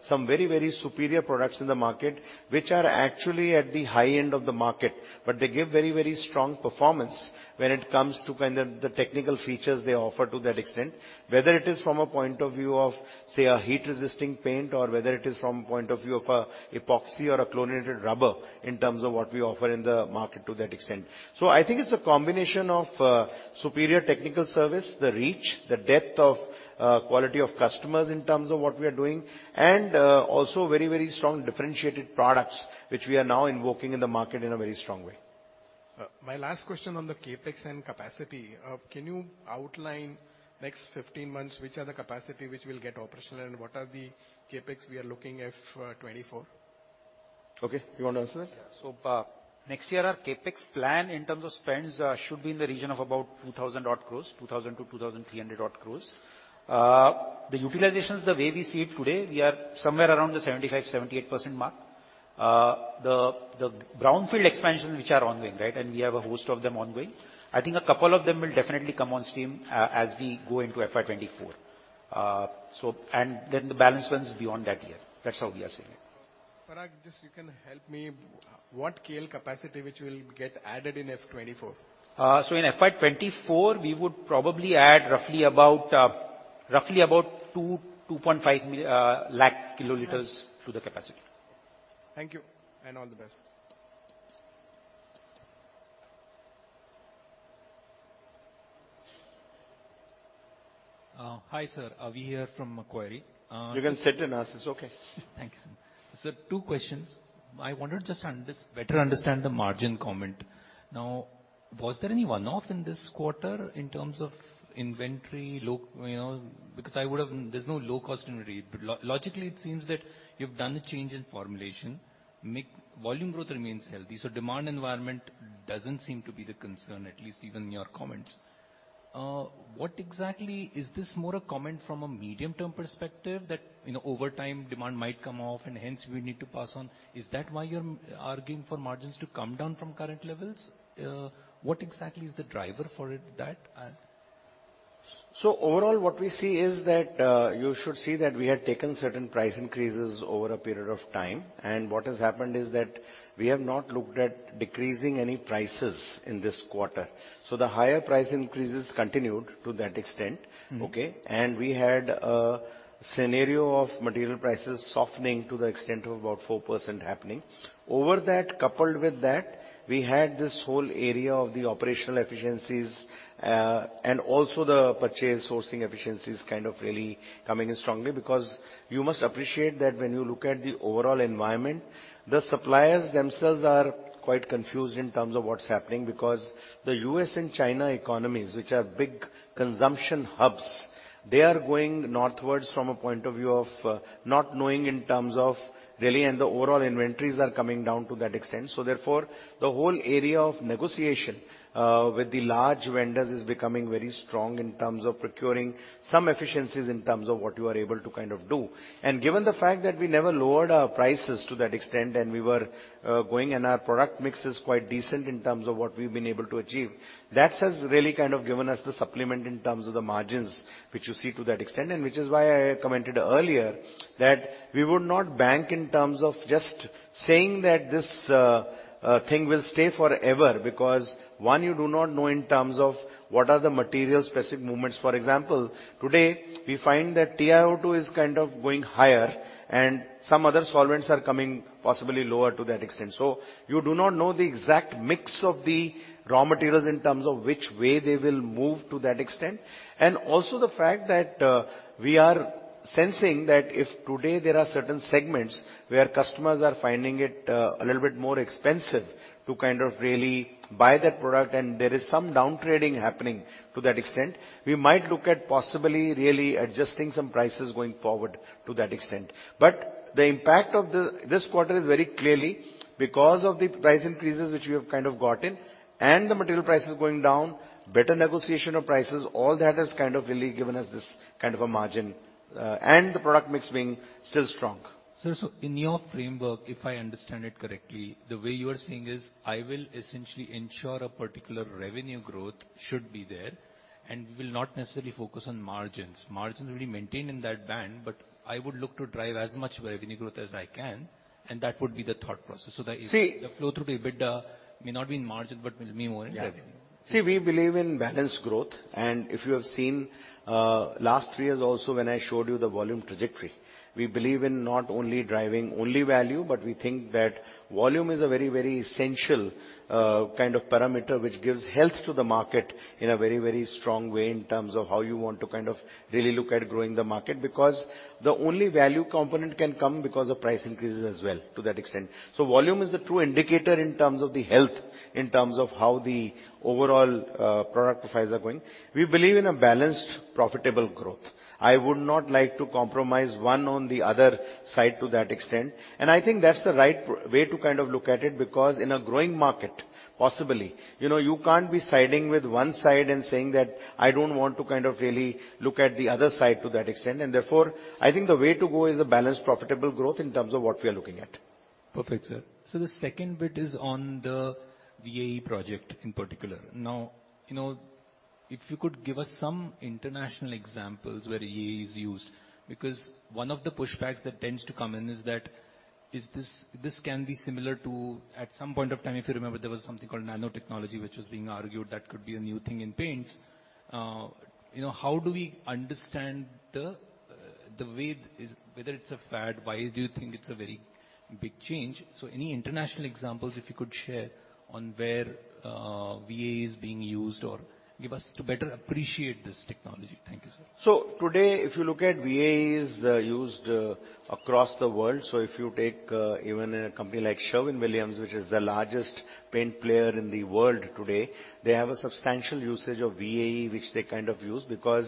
some very, very superior products in the market, which are actually at the high end of the market, but they give very, very strong performance when it comes to kind of the technical features they offer to that extent. Whether it is from a point of view of, say, a heat resisting paint or whether it is from a point of view of a epoxy or a chlorinated rubber in terms of what we offer in the market to that extent. I think it's a combination of superior technical service, the reach, the depth of quality of customers in terms of what we are doing, and also very, very strong differentiated products which we are now invoking in the market in a very strong way. My last question on the CapEx and capacity. Can you outline next 15 months which are the capacity which will get operational and what are the CapEx we are looking FY24? Okay. You want to answer that? Next year our CapEx plan in terms of spends should be in the region of about 2,000 odd crores, 2,000-2,300 odd crores. The utilizations, the way we see it today, we are somewhere around the 75%-78% mark. The brownfield expansions which are ongoing, right? We have a host of them ongoing. I think a couple of them will definitely come on stream as we go into FY 2024. Then the balance ones beyond that year. That's how we are seeing it. Parag, just you can help me, what KL capacity which will get added in FY 24? In FY 24, we would probably add roughly about 2.5 lakh kilograms to the capacity. Thank you and all the best. Hi sir. Avi here from Macquarie. You can sit and ask. It's okay. Thank you, sir. Sir, two questions. I wanted to just better understand the margin comment. Now, was there any one-off in this quarter in terms of inventory low, you know, because there's no low cost inventory. Logically, it seems that you've done a change in formulation. Volume growth remains healthy, so demand environment doesn't seem to be the concern, at least even in your comments. Is this more a comment from a medium-term perspective that, you know, over time demand might come off and hence we need to pass on? Is that why you're arguing for margins to come down from current levels? What exactly is the driver for it, that? Overall, what we see is that, you should see that we have taken certain price increases over a period of time. What has happened is that we have not looked at decreasing any prices in this quarter. The higher price increases continued to that extent. Mm-hmm. Okay? We had a scenario of material prices softening to the extent of about 4% happening. Over that, coupled with that, we had this whole area of the operational efficiencies and also the purchase sourcing efficiencies kind of really coming in strongly because you must appreciate that when you look at the overall environment, the suppliers themselves are quite confused in terms of what's happening because the U.S. and China economies, which are big consumption hubs, they are going northwards from a point of view of not knowing in terms of really, and the overall inventories are coming down to that extent. Therefore, the whole area of negotiation with the large vendors is becoming very strong in terms of procuring some efficiencies in terms of what you are able to kind of do. Given the fact that we never lowered our prices to that extent, and we were going and our product mix is quite decent in terms of what we've been able to achieve, that has really kind of given us the supplement in terms of the margins which you see to that extent. Which is why I commented earlier that we would not bank in terms of just saying that this thing will stay forever because, 1, you do not know in terms of what are the material specific movements. For example, today we find that TiO2 is kind of going higher and some other solvents are coming possibly lower to that extent. You do not know the exact mix of the raw materials in terms of which way they will move to that extent. Also the fact that we are sensing that if today there are certain segments where customers are finding it a little bit more expensive to kind of really buy that product and there is some down trading happening to that extent, we might look at possibly really adjusting some prices going forward to that extent. The impact of this quarter is very clearly because of the price increases which we have kind of gotten and the material prices going down, better negotiation of prices, all that has kind of really given us this kind of a margin and the product mix being still strong. Sir, in your framework, if I understand it correctly, the way you are saying is I will essentially ensure a particular revenue growth should be there. We will not necessarily focus on margins. Margins will be maintained in that band, but I would look to drive as much revenue growth as I can, that would be the thought process. See- The flow through to EBITDA may not be in margin, but will be more in revenue. Yeah. See, we believe in balanced growth. If you have seen, last 3 years also, when I showed you the volume trajectory. We believe in not only driving only value, but we think that volume is a very, very essential, kind of parameter which gives health to the market in a very, very strong way in terms of how you want to kind of really look at growing the market, because the only value component can come because of price increases as well, to that extent. Volume is the true indicator in terms of the health, in terms of how the overall product profiles are going. We believe in a balanced, profitable growth. I would not like to compromise one on the other side to that extent. I think that's the right way to kind of look at it, because in a growing market, possibly, you know, you can't be siding with one side and saying that I don't want to kind of really look at the other side to that extent. Therefore, I think the way to go is a balanced, profitable growth in terms of what we are looking at. Perfect, sir. The second bit is on the VAE project in particular. Now, you know, if you could give us some international examples where VAE is used, because one of the pushbacks that tends to come in is that, this can be similar to, at some point of time, if you remember, there was something called nanotechnology, which was being argued that could be a new thing in paints. You know, how do we understand the way, is whether it's a fad? Why do you think it's a very big change? Any international examples, if you could share on where VAE is being used or give us to better appreciate this technology. Thank you, sir. Today, if you look at VAE is used across the world. If you take even a company like Sherwin-Williams, which is the largest paint player in the world today, they have a substantial usage of VAE, which they kind of use because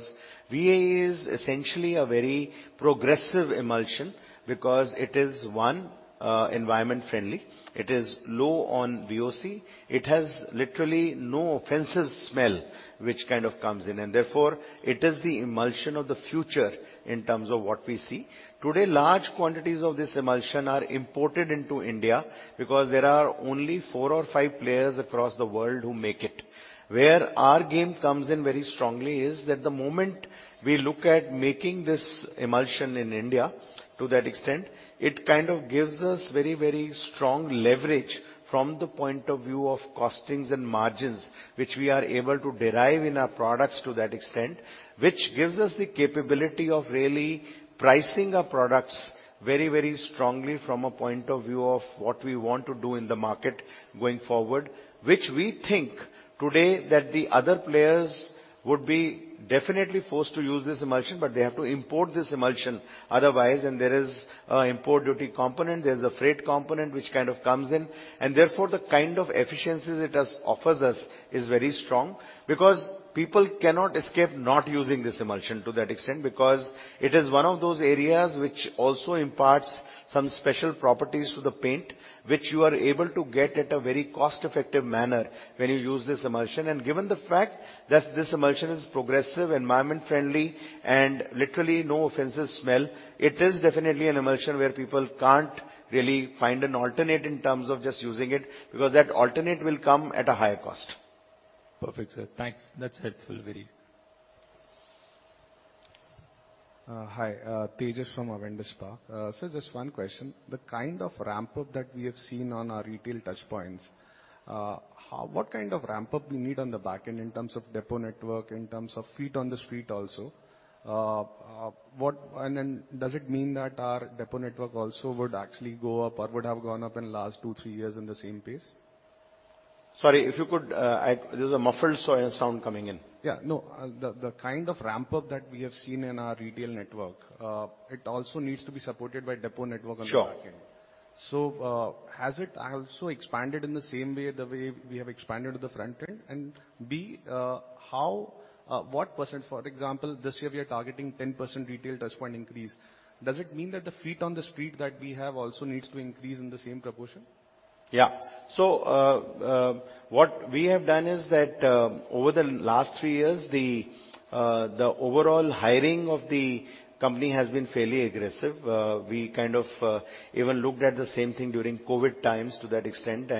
VAE is essentially a very progressive emulsion because it is, one, environment friendly, it is low on VOC, it has literally no offensive smell which kind of comes in. Therefore, it is the emulsion of the future in terms of what we see. Today, large quantities of this emulsion are imported into India because there are only four or five players across the world who make it. Where our game comes in very strongly is that the moment we look at making this emulsion in India, to that extent, it kind of gives us very, very strong leverage from the point of view of costings and margins, which we are able to derive in our products to that extent. Which gives us the capability of really pricing our products very, very strongly from a point of view of what we want to do in the market going forward, which we think today that the other players would be definitely forced to use this emulsion, but they have to import this emulsion otherwise. There is import duty component, there's a freight component, which kind of comes in. Therefore, the kind of efficiencies it does offers us is very strong because people cannot escape not using this emulsion to that extent, because it is one of those areas which also imparts some special properties to the paint, which you are able to get at a very cost-effective manner when you use this emulsion. Given the fact that this emulsion is progressive, environment friendly and literally no offensive smell, it is definitely an emulsion where people can't really find an alternate in terms of just using it, because that alternate will come at a higher cost. Perfect, sir. Thanks. That's helpful, very. Hi. Tejas from Avendus Spark. Just one question. The kind of ramp-up that we have seen on our retail touchpoints, what kind of ramp-up we need on the back end in terms of depot network, in terms of feet on the street also? Does it mean that our depot network also would actually go up or would have gone up in last two, three years in the same pace? Sorry, if you could, there's a muffled sort of sound coming in. Yeah. No, the kind of ramp-up that we have seen in our retail network, it also needs to be supported by depot network on the back end. Sure. Has it also expanded in the same way, the way we have expanded the front end? B, how, what percent? For example, this year we are targeting 10% retail touch point increase. Does it mean that the feet on the street that we have also needs to increase in the same proportion? What we have done is that, over the last three years, the overall hiring of the company has been fairly aggressive. We kind of even looked at the same thing during COVID times to that extent.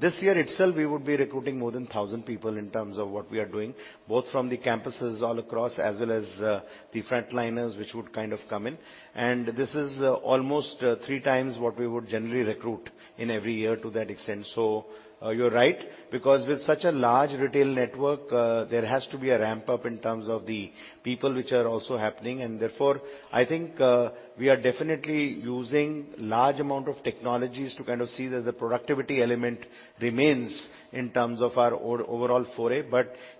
This year itself, we would be recruiting more than 1,000 people in terms of what we are doing, both from the campuses all across as well as the frontliners, which would kind of come in. This is almost three times what we would generally recruit in every year to that extent. You're right, because with such a large retail network, there has to be a ramp-up in terms of the people which are also happening. Therefore, I think, we are definitely using large amount of technologies to kind of see that the productivity element remains in terms of our overall foray.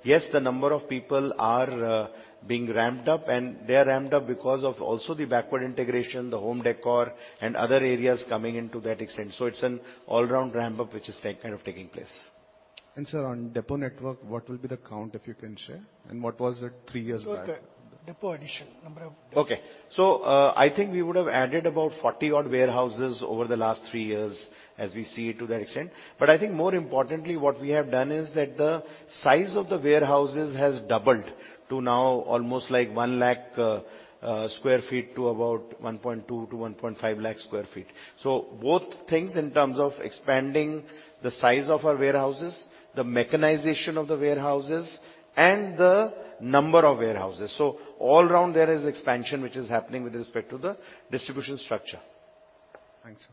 Yes, the number of people are being ramped up, and they are ramped up because of also the backward integration, the home decor and other areas coming into that extent. It's an all-round ramp-up which is kind of taking place. Sir, on depot network, what will be the count, if you can share? What was it three years back? Okay. Depot addition. Number of depots. Okay. I think we would have added about 40 odd warehouses over the last three years as we see it to that extent. I think more importantly, what we have done is that the size of the warehouses has doubled to now almost like 1 lakh sq ft to about 1.2-1.5 lakh sq ft. Both things in terms of expanding the size of our warehouses, the mechanization of the warehouses and the number of warehouses. All around there is expansion which is happening with respect to the distribution structure. Thanks.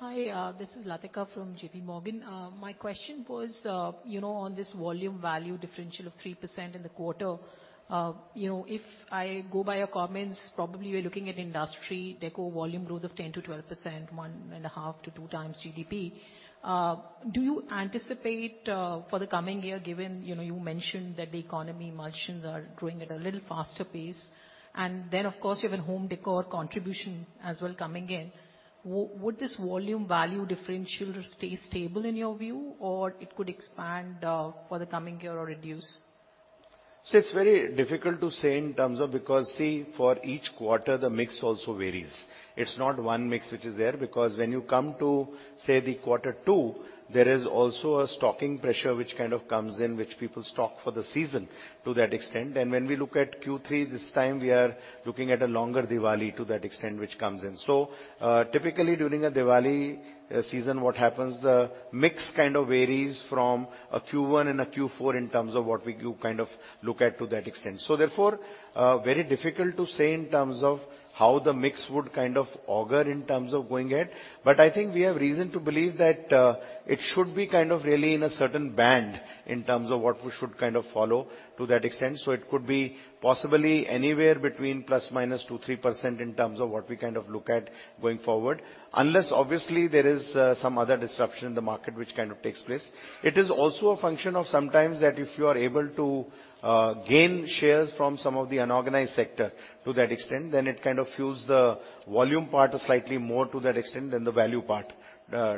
Hi, this is Latika from JP Morgan. My question was, you know, on this volume value differential of 3% in the quarter. You know, if I go by your comments, probably you're looking at industry deco volume growth of 10%-12%, 1.5 to 2 times GDP. Do you anticipate for the coming year, given, you know, you mentioned that the economy margins are growing at a little faster pace, and then of course, you have a home decor contribution as well coming in. Would this volume value differential stay stable in your view, or it could expand for the coming year or reduce? It's very difficult to say in terms of. Because see, for each quarter, the mix also varies. It's not one mix which is there, because when you come to, say, the quarter two, there is also a stocking pressure which kind of comes in, which people stock for the season to that extent. When we look at Q3, this time we are looking at a longer Diwali to that extent which comes in. Typically during a Diwali season, what happens, the mix kind of varies from a Q1 and a Q4 in terms of what we do kind of look at to that extent. Therefore, very difficult to say in terms of how the mix would kind of auger in terms of going ahead. I think we have reason to believe that it should be kind of really in a certain band in terms of what we should kind of follow to that extent. It could be possibly anywhere between ±2-3% in terms of what we kind of look at going forward, unless obviously there is some other disruption in the market which kind of takes place. It is also a function of sometimes that if you are able to gain shares from some of the unorganized sector to that extent, then it kind of fuels the volume part slightly more to that extent than the value part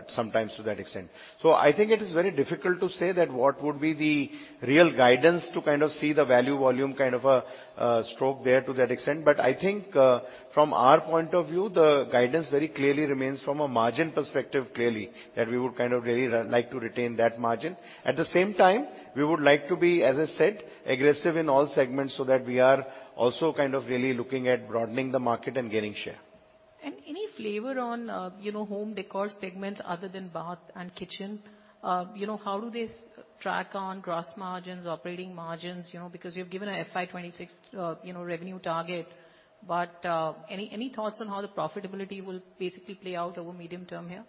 sometimes to that extent. I think it is very difficult to say that what would be the real guidance to kind of see the value volume kind of a stroke there to that extent. I think, from our point of view, the guidance very clearly remains from a margin perspective, clearly, that we would kind of really like to retain that margin. At the same time, we would like to be, as I said, aggressive in all segments so that we are also kind of really looking at broadening the market and gaining share. Any flavor on, you know, home decor segments other than bath and kitchen? You know, how do they track on gross margins, operating margins, you know, because you've given a FY 2026, you know, revenue target. Any thoughts on how the profitability will basically play out over medium term here?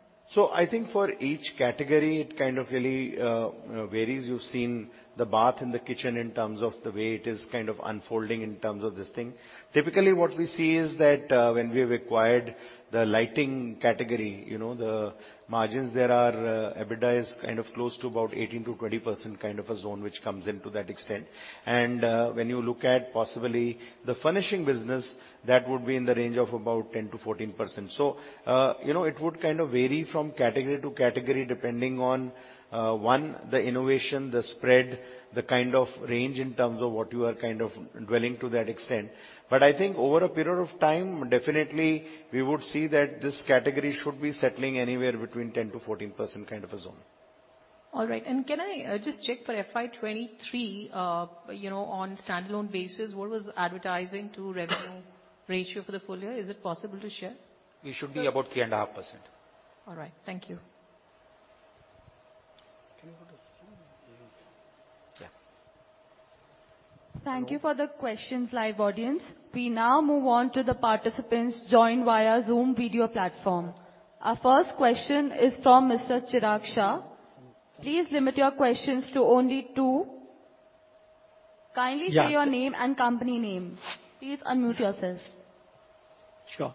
I think for each category it kind of really varies. You've seen the bath and the kitchen in terms of the way it is kind of unfolding in terms of this thing. Typically, what we see is that when we've acquired the lighting category, you know, the margins there are, EBITDA is kind of close to about 18%-20% kind of a zone which comes in to that extent. When you look at possibly the furnishing business, that would be in the range of about 10%-14%. You know, it would kind of vary from category to category depending on one, the innovation, the spread, the kind of range in terms of what you are kind of dwelling to that extent. I think over a period of time, definitely we would see that this category should be settling anywhere between 10%-14% kind of a zone. All right. Can I, just check for FY 23, you know, on standalone basis, what was advertising to revenue ratio for the full year? Is it possible to share? It should be about three and a half %. All right. Thank you. Yeah. Thank you for the questions, live audience. We now move on to the participants joined via Zoom video platform. Our first question is from Mr. Chirag Shah. Please limit your questions to only two. Yeah. Kindly state your name and company name. Please unmute yourselves. Sure.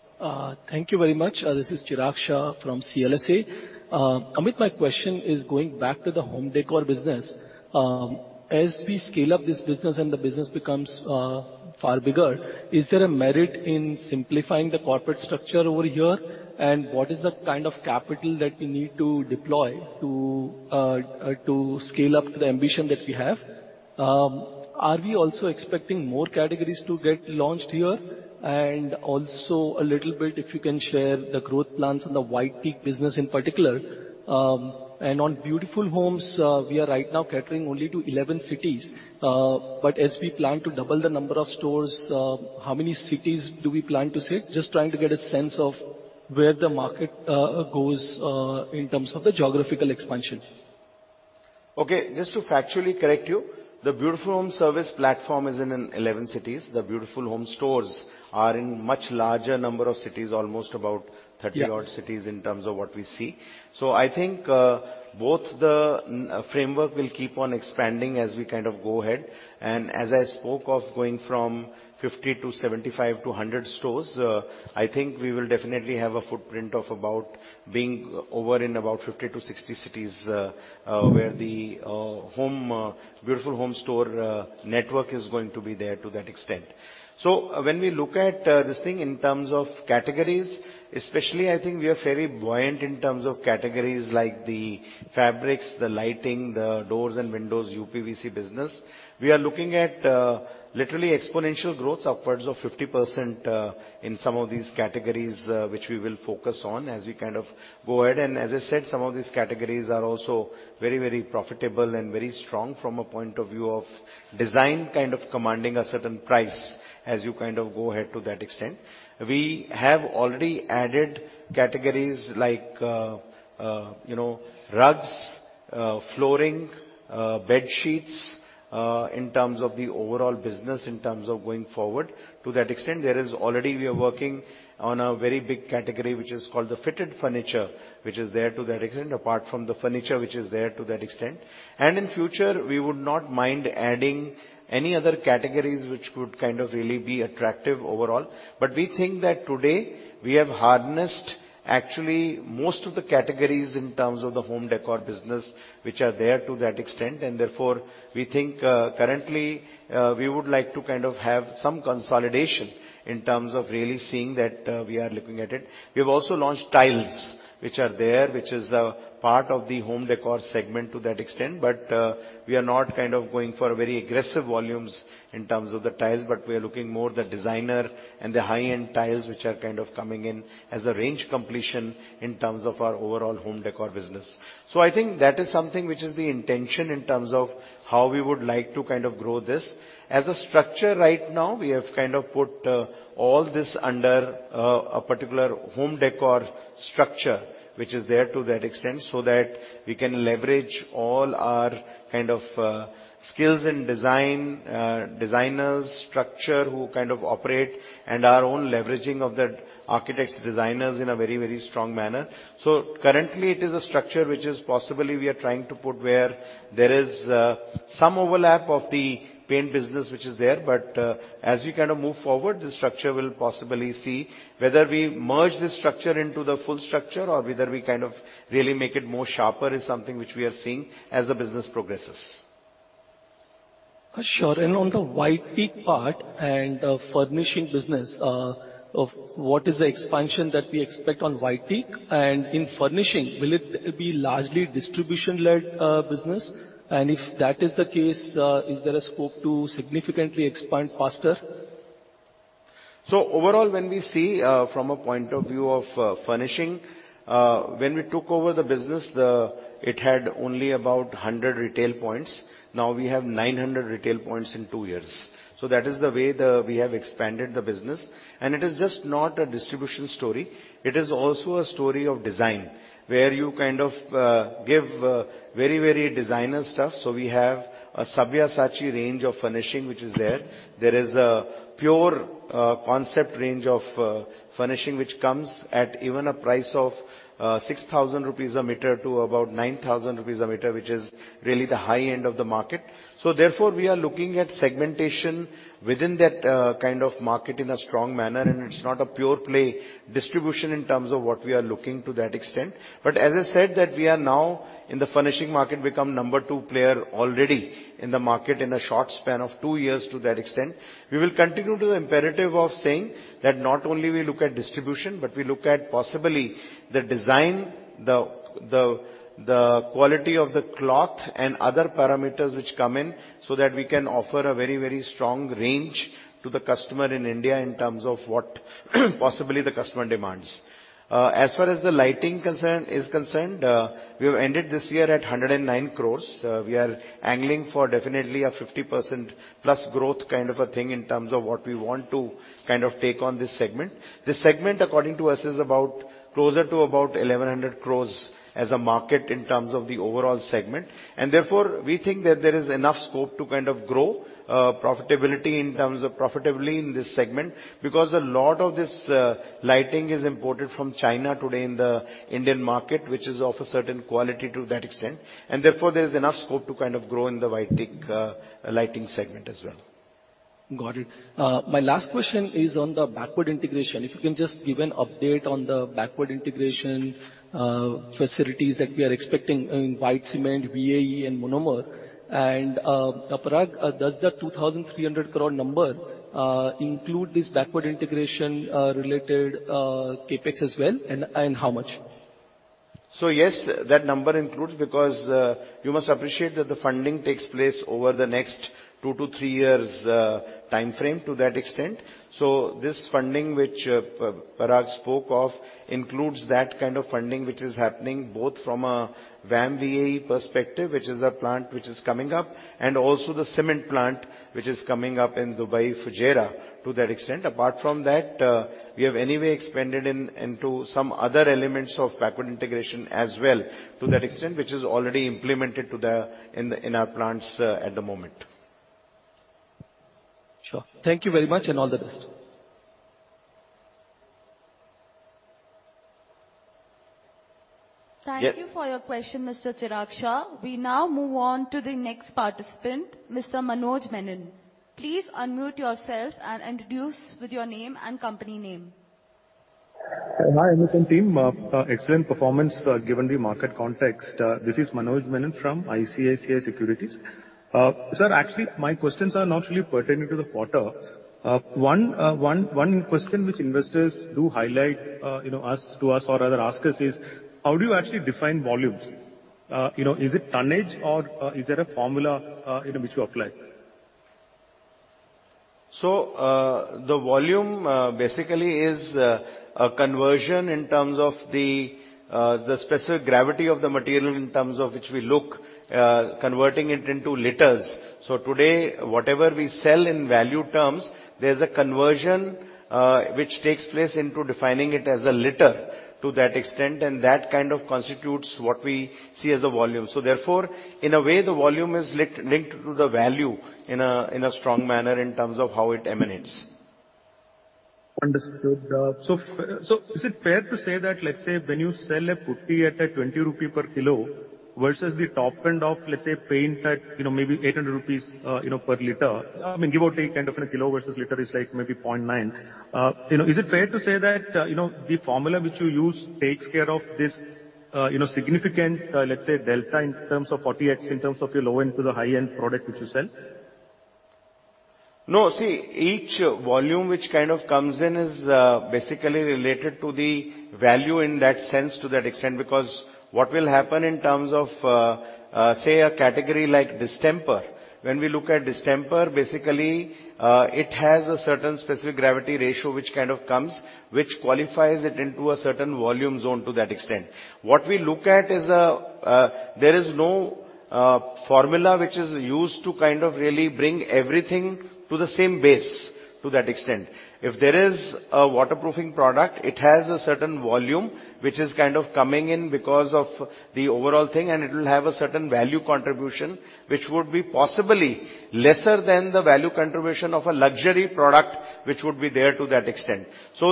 Thank you very much. This is Chirag Shah from CLSA. Amit, my question is going back to the home decor business. As we scale up this business and the business becomes far bigger, is there a merit in simplifying the corporate structure over here? What is the kind of capital that we need to deploy to scale up to the ambition that we have? Are we also expecting more categories to get launched here? Also a little bit, if you can share the growth plans in the White Teak business in particular. On Beautiful Homes, we are right now catering only to 11 cities. As we plan to double the number of stores, how many cities do we plan to sit? Just trying to get a sense of where the market goes in terms of the geographical expansion. Okay. Just to factually correct you, the Beautiful Homes Service platform is in 11 cities. The Beautiful Homes Stores are in much larger number of cities, almost about 30- Yeah -odd cities in terms of what we see. I think both the framework will keep on expanding as we kind of go ahead. As I spoke of going from 50 to 75 to 100 stores, I think we will definitely have a footprint of about being over in about 50 to 60 cities, where the Beautiful Home store network is going to be there to that extent. When we look at this thing in terms of categories, especially I think we are very buoyant in terms of categories like the fabrics, the lighting, the doors and windows, uPVC business. We are looking at literally exponential growth upwards of 50%, in some of these categories, which we will focus on as we kind of go ahead. As I said, some of these categories are also very, very profitable and very strong from a point of view of design, kind of commanding a certain price as you kind of go ahead to that extent. We have already added categories like, you know, rugs, flooring, bed sheets in terms of the overall business, in terms of going forward. To that extent, there is already we are working on a very big category, which is called the fitted furniture, which is there to that extent, apart from the furniture which is there to that extent. In future, we would not mind adding any other categories which could kind of really be attractive overall. We think that today we have harnessed actually most of the categories in terms of the home decor business, which are there to that extent. We think, currently, we would like to kind of have some consolidation in terms of really seeing that, we are looking at it. We have also launched tiles, which are there, which is a part of the home decor segment to that extent. We are not kind of going for very aggressive volumes in terms of the tiles, but we are looking more the designer and the high-end tiles, which are kind of coming in as a range completion in terms of our overall home decor business. I think that is something which is the intention in terms of how we would like to kind of grow this. As a structure right now, we have kind of put all this under a particular home decor structure, which is there to that extent, so that we can leverage all our kind of skills and design designers, structure who kind of operate and our own leveraging of that architects, designers in a very, very strong manner. Currently, it is a structure which is possibly we are trying to put where there is some overlap of the paint business which is there. As you kind of move forward, the structure will possibly see whether we merge this structure into the full structure or whether we kind of really make it more sharper is something which we are seeing as the business progresses. Sure. On the White Teak part and the furnishing business, of what is the expansion that we expect on White Teak? In furnishing, will it be largely distribution-led business? If that is the case, is there a scope to significantly expand faster? Overall, when we see from a point of view of furnishing, when we took over the business, it had only about 100 retail points. Now we have 900 retail points in 2 years. That is the way we have expanded the business. It is just not a distribution story. It is also a story of design, where you kind of give very, very designer stuff. We have a Sabyasachi range of furnishing which is there. There is a pure concept range of furnishing which comes at even a price of 6,000 rupees a meter to about 9,000 rupees a meter, which is really the high end of the market. Therefore, we are looking at segmentation within that kind of market in a strong manner, and it's not a pure play distribution in terms of what we are looking to that extent. As I said that we are now in the furnishing market, become number two player already in the market in a short span of two years to that extent. We will continue to the imperative of saying that not only we look at distribution, but we look at possibly the design, the quality of the cloth and other parameters which come in, so that we can offer a very, very strong range to the customer in India in terms of what possibly the customer demands. As far as the lighting concern, is concerned, we have ended this year at 109 crore. We are angling for definitely a 50% plus growth kind of a thing in terms of what we want to kind of take on this segment. This segment, according to us, is about closer to about 1,100 crores as a market in terms of the overall segment, therefore we think that there is enough scope to kind of grow profitability in terms of profitably in this segment. A lot of this lighting is imported from China today in the Indian market, which is of a certain quality to that extent, therefore there is enough scope to kind of grow in the White Teak lighting segment as well. Got it. My last question is on the backward integration. If you can just give an update on the backward integration facilities that we are expecting in white cement, VAE and monomer? Parag, does the 2,300 crore number include this backward integration related CapEx as well, and how much? Yes, that number includes because, you must appreciate that the funding takes place over the next two to three years, time frame to that extent. This funding which Parag spoke of includes that kind of funding which is happening both from a VAM VAE perspective, which is a plant which is coming up, and also the cement plant which is coming up in Dubai, Fujairah to that extent. Apart from that, we have anyway expanded into some other elements of backward integration as well to that extent, which is already implemented in our plants at the moment. Sure. Thank you very much and all the best. Thank you for your question, Mr. Chirag Shah. We now move on to the next participant, Mr. Manoj Menon. Please unmute yourself and introduce with your name and company name. Hi, Asian Paints team. Excellent performance given the market context. This is Manoj Menon from ICICI Securities. Sir, actually, my questions are not really pertaining to the quarter. One question which investors do highlight, you know, us, to us or rather ask us is: How do you actually define volumes? You know, is it tonnage or is there a formula, you know, which you apply? The volume, basically is a conversion in terms of the specific gravity of the material in terms of which we look. Converting it into liters. Today, whatever we sell in value terms, there's a conversion which takes place into defining it as a liter to that extent, and that kind of constitutes what we see as the volume. Therefore, in a way, the volume is linked to the value in a strong manner in terms of how it emanates. Understood. So is it fair to say that, let's say, when you sell a putty at a 20 rupee per kilo versus the top end of, let's say, paint at, you know, maybe 800 rupees, you know, per liter. I mean, give or take, kind of in a kilo versus liter is like maybe 0.9. You know, is it fair to say that, you know, the formula which you use takes care of this, you know, significant, let's say, delta in terms of 40x, in terms of your low-end to the high-end product which you sell? No. See, each volume which kind of comes in is basically related to the value in that sense to that extent. What will happen in terms of, say, a category like distemper. When we look at distemper, basically, it has a certain specific gravity ratio which kind of comes, which qualifies it into a certain volume zone to that extent. What we look at is, there is no formula which is used to kind of really bring everything to the same base to that extent. If there is a waterproofing product, it has a certain volume which is kind of coming in because of the overall thing, and it will have a certain value contribution, which would be possibly lesser than the value contribution of a luxury product, which would be there to that extent.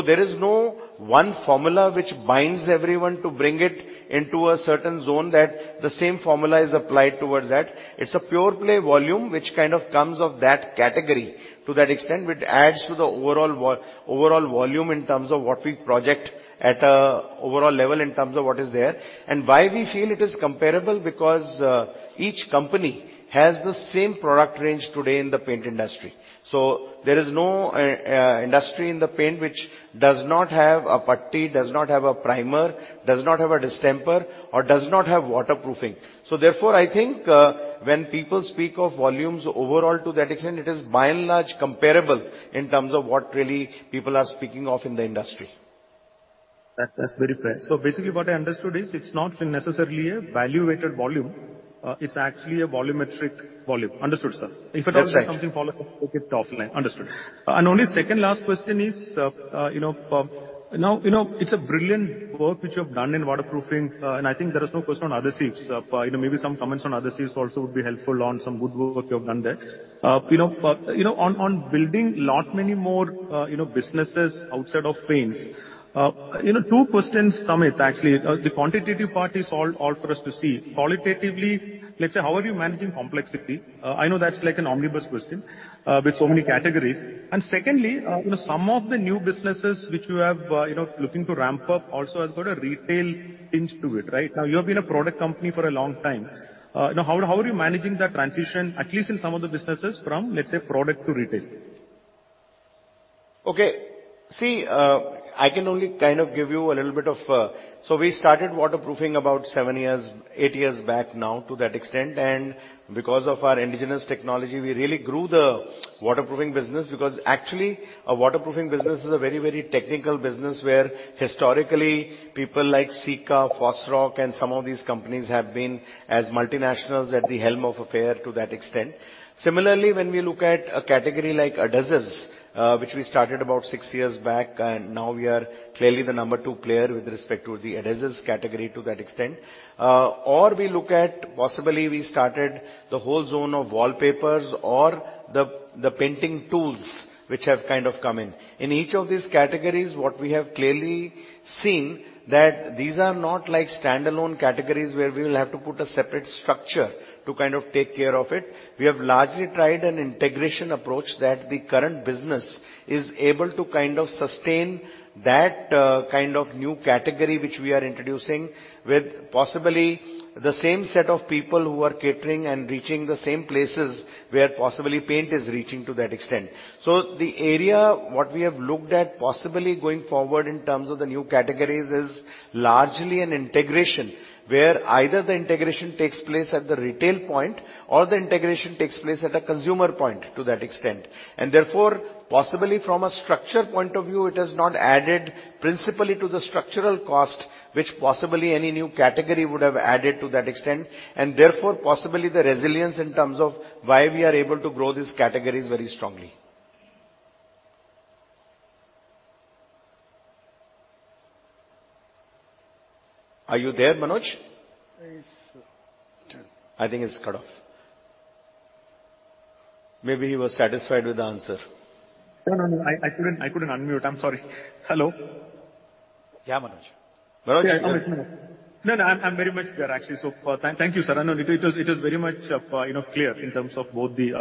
There is no one formula which binds everyone to bring it into a certain zone that the same formula is applied towards that. It's a pure play volume which kind of comes of that category to that extent, which adds to the overall volume in terms of what we project at an overall level in terms of what is there. Why we feel it is comparable because each company has the same product range today in the paint industry. There is no industry in the paint which does not have a putty, does not have a primer, does not have a distemper, or does not have waterproofing. Therefore, I think when people speak of volumes overall to that extent, it is by and large comparable in terms of what really people are speaking of in the industry. That's very fair. Basically what I understood is it's not necessarily a value-weighted volume, it's actually a volumetric volume. Understood, sir. That's right. If at all there's something understood. Only second last question is, you know, now, you know, it's a brilliant work which you have done in waterproofing. I think there is no question on other Cefs. You know, maybe some comments on other Cefs also would be helpful on some good work you have done there. You know, on building lot many more, you know, businesses outside of paints. You know, two questions, Amit, actually. The quantitative part is all for us to see. Qualitatively, let's say, how are you managing complexity? I know that's like an omnibus question, with so many categories. Secondly, you know, some of the new businesses which you have, you know, looking to ramp up also has got a retail tinge to it, right? You have been a product company for a long time. How are you managing that transition, at least in some of the businesses from, let's say, product to retail? Okay. See, I can only kind of give you a little bit of. We started waterproofing about 7 years, 8 years back now to that extent. Because of our indigenous technology, we really grew the waterproofing business because actually a waterproofing business is a very, very technical business, where historically, people like Sika, Fosroc, and some of these companies have been as multinationals at the helm of affair to that extent. When we look at a category like adhesives, which we started about 6 years back, and now we are clearly the number two player with respect to the adhesives category to that extent. We look at possibly we started the whole zone of wallpapers or the painting tools which have kind of come in. In each of these categories, what we have clearly seen, that these are not like standalone categories where we will have to put a separate structure to kind of take care of it. We have largely tried an integration approach that the current business is able to kind of sustain that, kind of new category which we are introducing with possibly the same set of people who are catering and reaching the same places where possibly paint is reaching to that extent. The area what we have looked at possibly going forward in terms of the new categories is largely an integration where either the integration takes place at the retail point or the integration takes place at a consumer point to that extent. Therefore, possibly from a structure point of view, it has not added principally to the structural cost which possibly any new category would have added to that extent. Therefore, possibly the resilience in terms of why we are able to grow these categories very strongly. Are you there, Manoj? Yes, sir. I think he's cut off. Maybe he was satisfied with the answer. No, no. I couldn't unmute. I'm sorry. Hello. Yeah, Manoj. Yeah, I can hear. No, I'm very much there, actually. Thank you, sir. No, it is very much, you know, clear in terms of both the.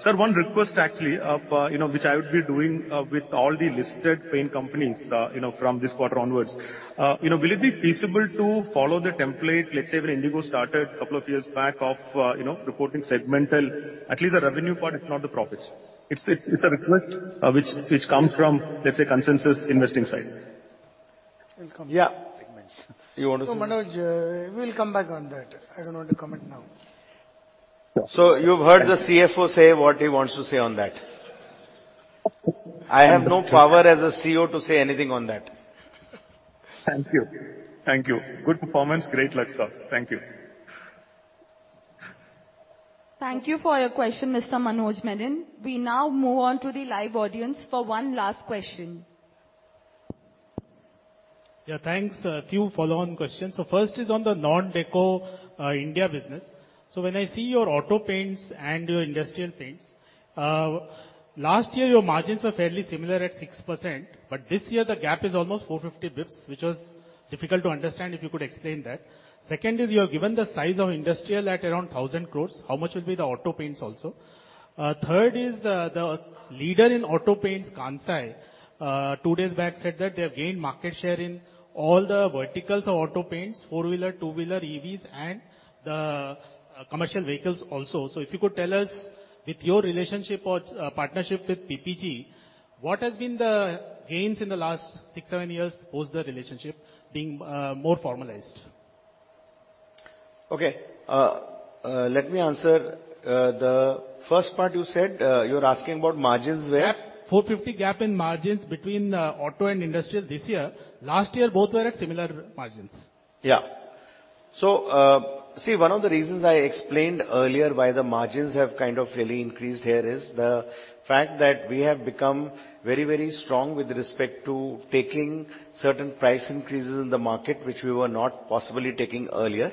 Sir, one request actually of, you know, which I would be doing with all the listed paint companies, you know, from this quarter onwards. Will it be feasible to follow the template, let's say when Indigo started couple of years back of, you know, reporting segmental, at least the revenue part, if not the profits? It's a request which comes from, let's say, consensus investing side. We'll come... Yeah. -back. You want to say? Manoj, we'll come back on that. I don't want to comment now. You've heard the CFO say what he wants to say on that. I have no power as a CEO to say anything on that. Thank you. Thank you. Good performance. Great luck, sir. Thank you. Thank you for your question, Mr. Manoj Menon. We now move on to the live audience for one last question. Yeah, thanks. A few follow-on questions. First is on the non-deco India business. When I see your auto paints and your industrial paints, last year, your margins were fairly similar at 6%, but this year the gap is almost 450 basis points, which was difficult to understand, if you could explain that? Second is you have given the size of industrial at around 1,000 crore. How much will be the auto paints also? Third is the leader in auto paints, Kansai, two days back said that they have gained market share in all the verticals of auto paints, four-wheeler, two-wheeler, EVs and the commercial vehicles also. If you could tell us with your relationship or partnership with PPG, what has been the gains in the last six, seven years post the relationship being more formalized? Okay. Let me answer. The first part you said, you're asking about margins where? 450 gap in margins between auto and industrial this year. Last year, both were at similar margins. See, one of the reasons I explained earlier why the margins have kind of really increased here is the fact that we have become very, very strong with respect to taking certain price increases in the market, which we were not possibly taking earlier.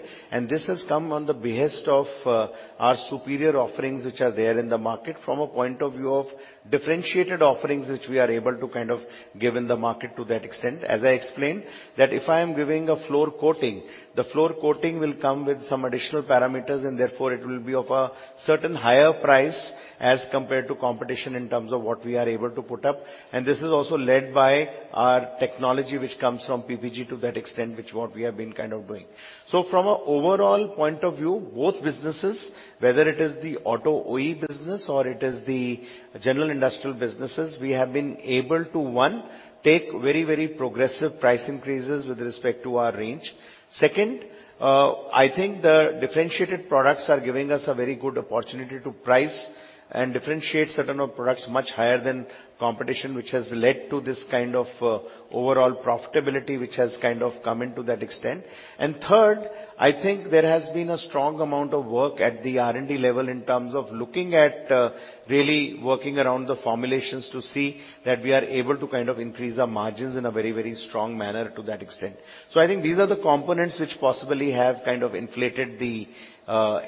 This has come on the behest of our superior offerings, which are there in the market from a point of view of differentiated offerings, which we are able to kind of give in the market to that extent. As I explained, that if I am giving a floor coating, the floor coating will come with some additional parameters and therefore it will be of a certain higher price as compared to competition in terms of what we are able to put up. This is also led by our technology, which comes from PPG to that extent, which what we have been kind of doing. From an overall point of view, both businesses, whether it is the auto OE business or it is the general industrial businesses, we have been able to, one, take very, very progressive price increases with respect to our range. Second, I think the differentiated products are giving us a very good opportunity to price and differentiate certain of products much higher than competition, which has led to this kind of overall profitability, which has kind of come into that extent. Third, I think there has been a strong amount of work at the R&D level in terms of looking at, really working around the formulations to see that we are able to kind of increase our margins in a very, very strong manner to that extent. I think these are the components which possibly have kind of inflated the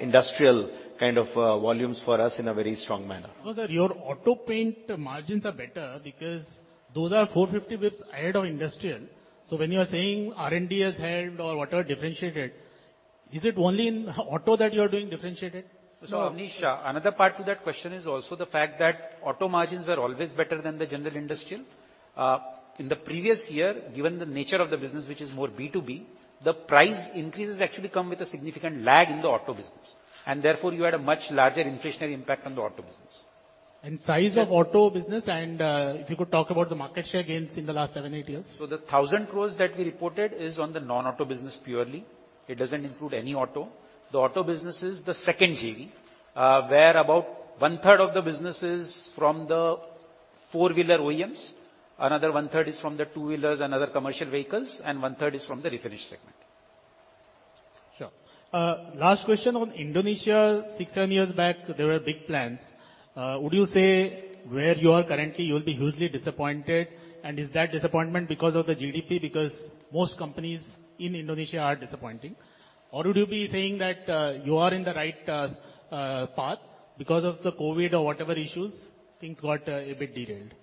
industrial kind of volumes for us in a very strong manner. Your auto paint margins are better because those are 450 basis points ahead of industrial. When you are saying R&D has helped or whatever differentiated, is it only in auto that you are doing differentiated? Abneesh. Another part to that question is also the fact that auto margins are always better than the general industrial. In the previous year, given the nature of the business, which is more B2B, the price increases actually come with a significant lag in the auto business, therefore you had a much larger inflationary impact on the auto business. Size of auto business, and if you could talk about the market share gains in the last 7, 8 years. The 1,000 crore that we reported is on the non-auto business purely. It doesn't include any auto. The auto business is the second JV, where about 1/3 of the business is from the four-wheeler OEMs. Another 1/3 is from the two-wheelers and other commercial vehicles, and 1/3 is from the refinish segment. Sure. Last question on Indonesia. 6, 7 years back, there were big plans. Would you say where you are currently, you'll be hugely disappointed? Is that disappointment because of the GDP? Because most companies in Indonesia are disappointing. Would you be saying that you are in the right path because of the COVID or whatever issues, things got a bit derailed?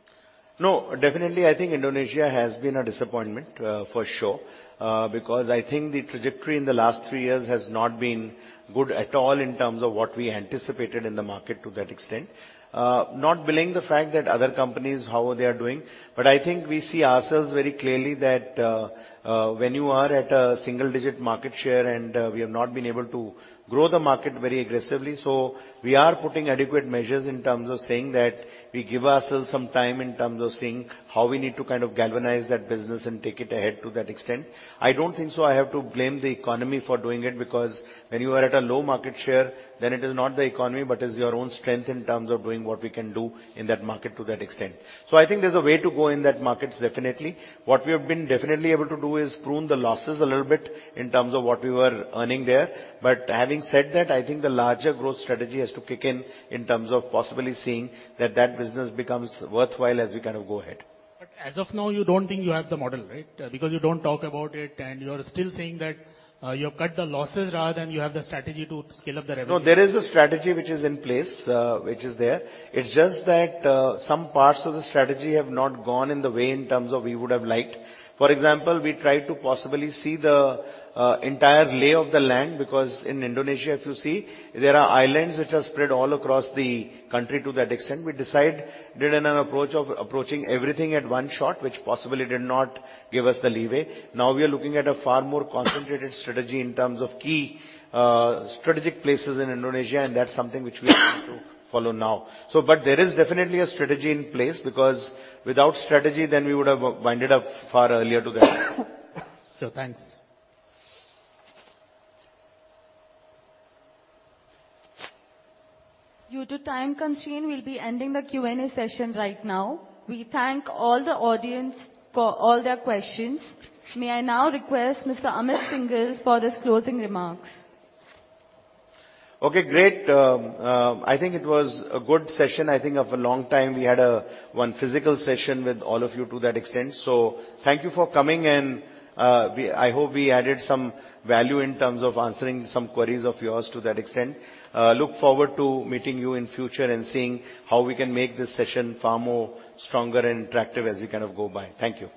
No, definitely, I think Indonesia has been a disappointment, for sure, because I think the trajectory in the last three years has not been good at all in terms of what we anticipated in the market to that extent. Not blaming the fact that other companies, how they are doing, but I think we see ourselves very clearly that, when you are at a single-digit market share and we have not been able to grow the market very aggressively. We are putting adequate measures in terms of saying that we give ourselves some time in terms of seeing how we need to kind of galvanize that business and take it ahead to that extent. I don't think so I have to blame the economy for doing it, because when you are at a low market share, then it is not the economy, but it's your own strength in terms of doing what we can do in that market to that extent. I think there's a way to go in that market definitely. What we have been definitely able to do is prune the losses a little bit in terms of what we were earning there. Having said that, I think the larger growth strategy has to kick in terms of possibly seeing that that business becomes worthwhile as we kind of go ahead. As of now, you don't think you have the model, right? Because you don't talk about it and you're still saying that you have cut the losses rather than you have the strategy to scale up the revenue. No, there is a strategy which is in place, which is there. It's just that, some parts of the strategy have not gone in the way in terms of we would have liked. For example, we tried to possibly see the entire lay of the land, because in Indonesia, if you see, there are islands which are spread all across the country to that extent. We did an approach of approaching everything at one shot, which possibly did not give us the leeway. Now we are looking at a far more concentrated strategy in terms of key strategic places in Indonesia, and that's something which we are going to follow now. There is definitely a strategy in place, because without strategy, then we would have winded up far earlier together. Sure. Thanks. Due to time constraint, we'll be ending the Q&A session right now. We thank all the audience for all their questions. May I now request Mr. Amit Syngle for his closing remarks. Okay, great. I think it was a good session. I think of a long time we had one physical session with all of you to that extent. Thank you for coming. I hope we added some value in terms of answering some queries of yours to that extent. Look forward to meeting you in future and seeing how we can make this session far more stronger and interactive as you kind of go by. Thank you.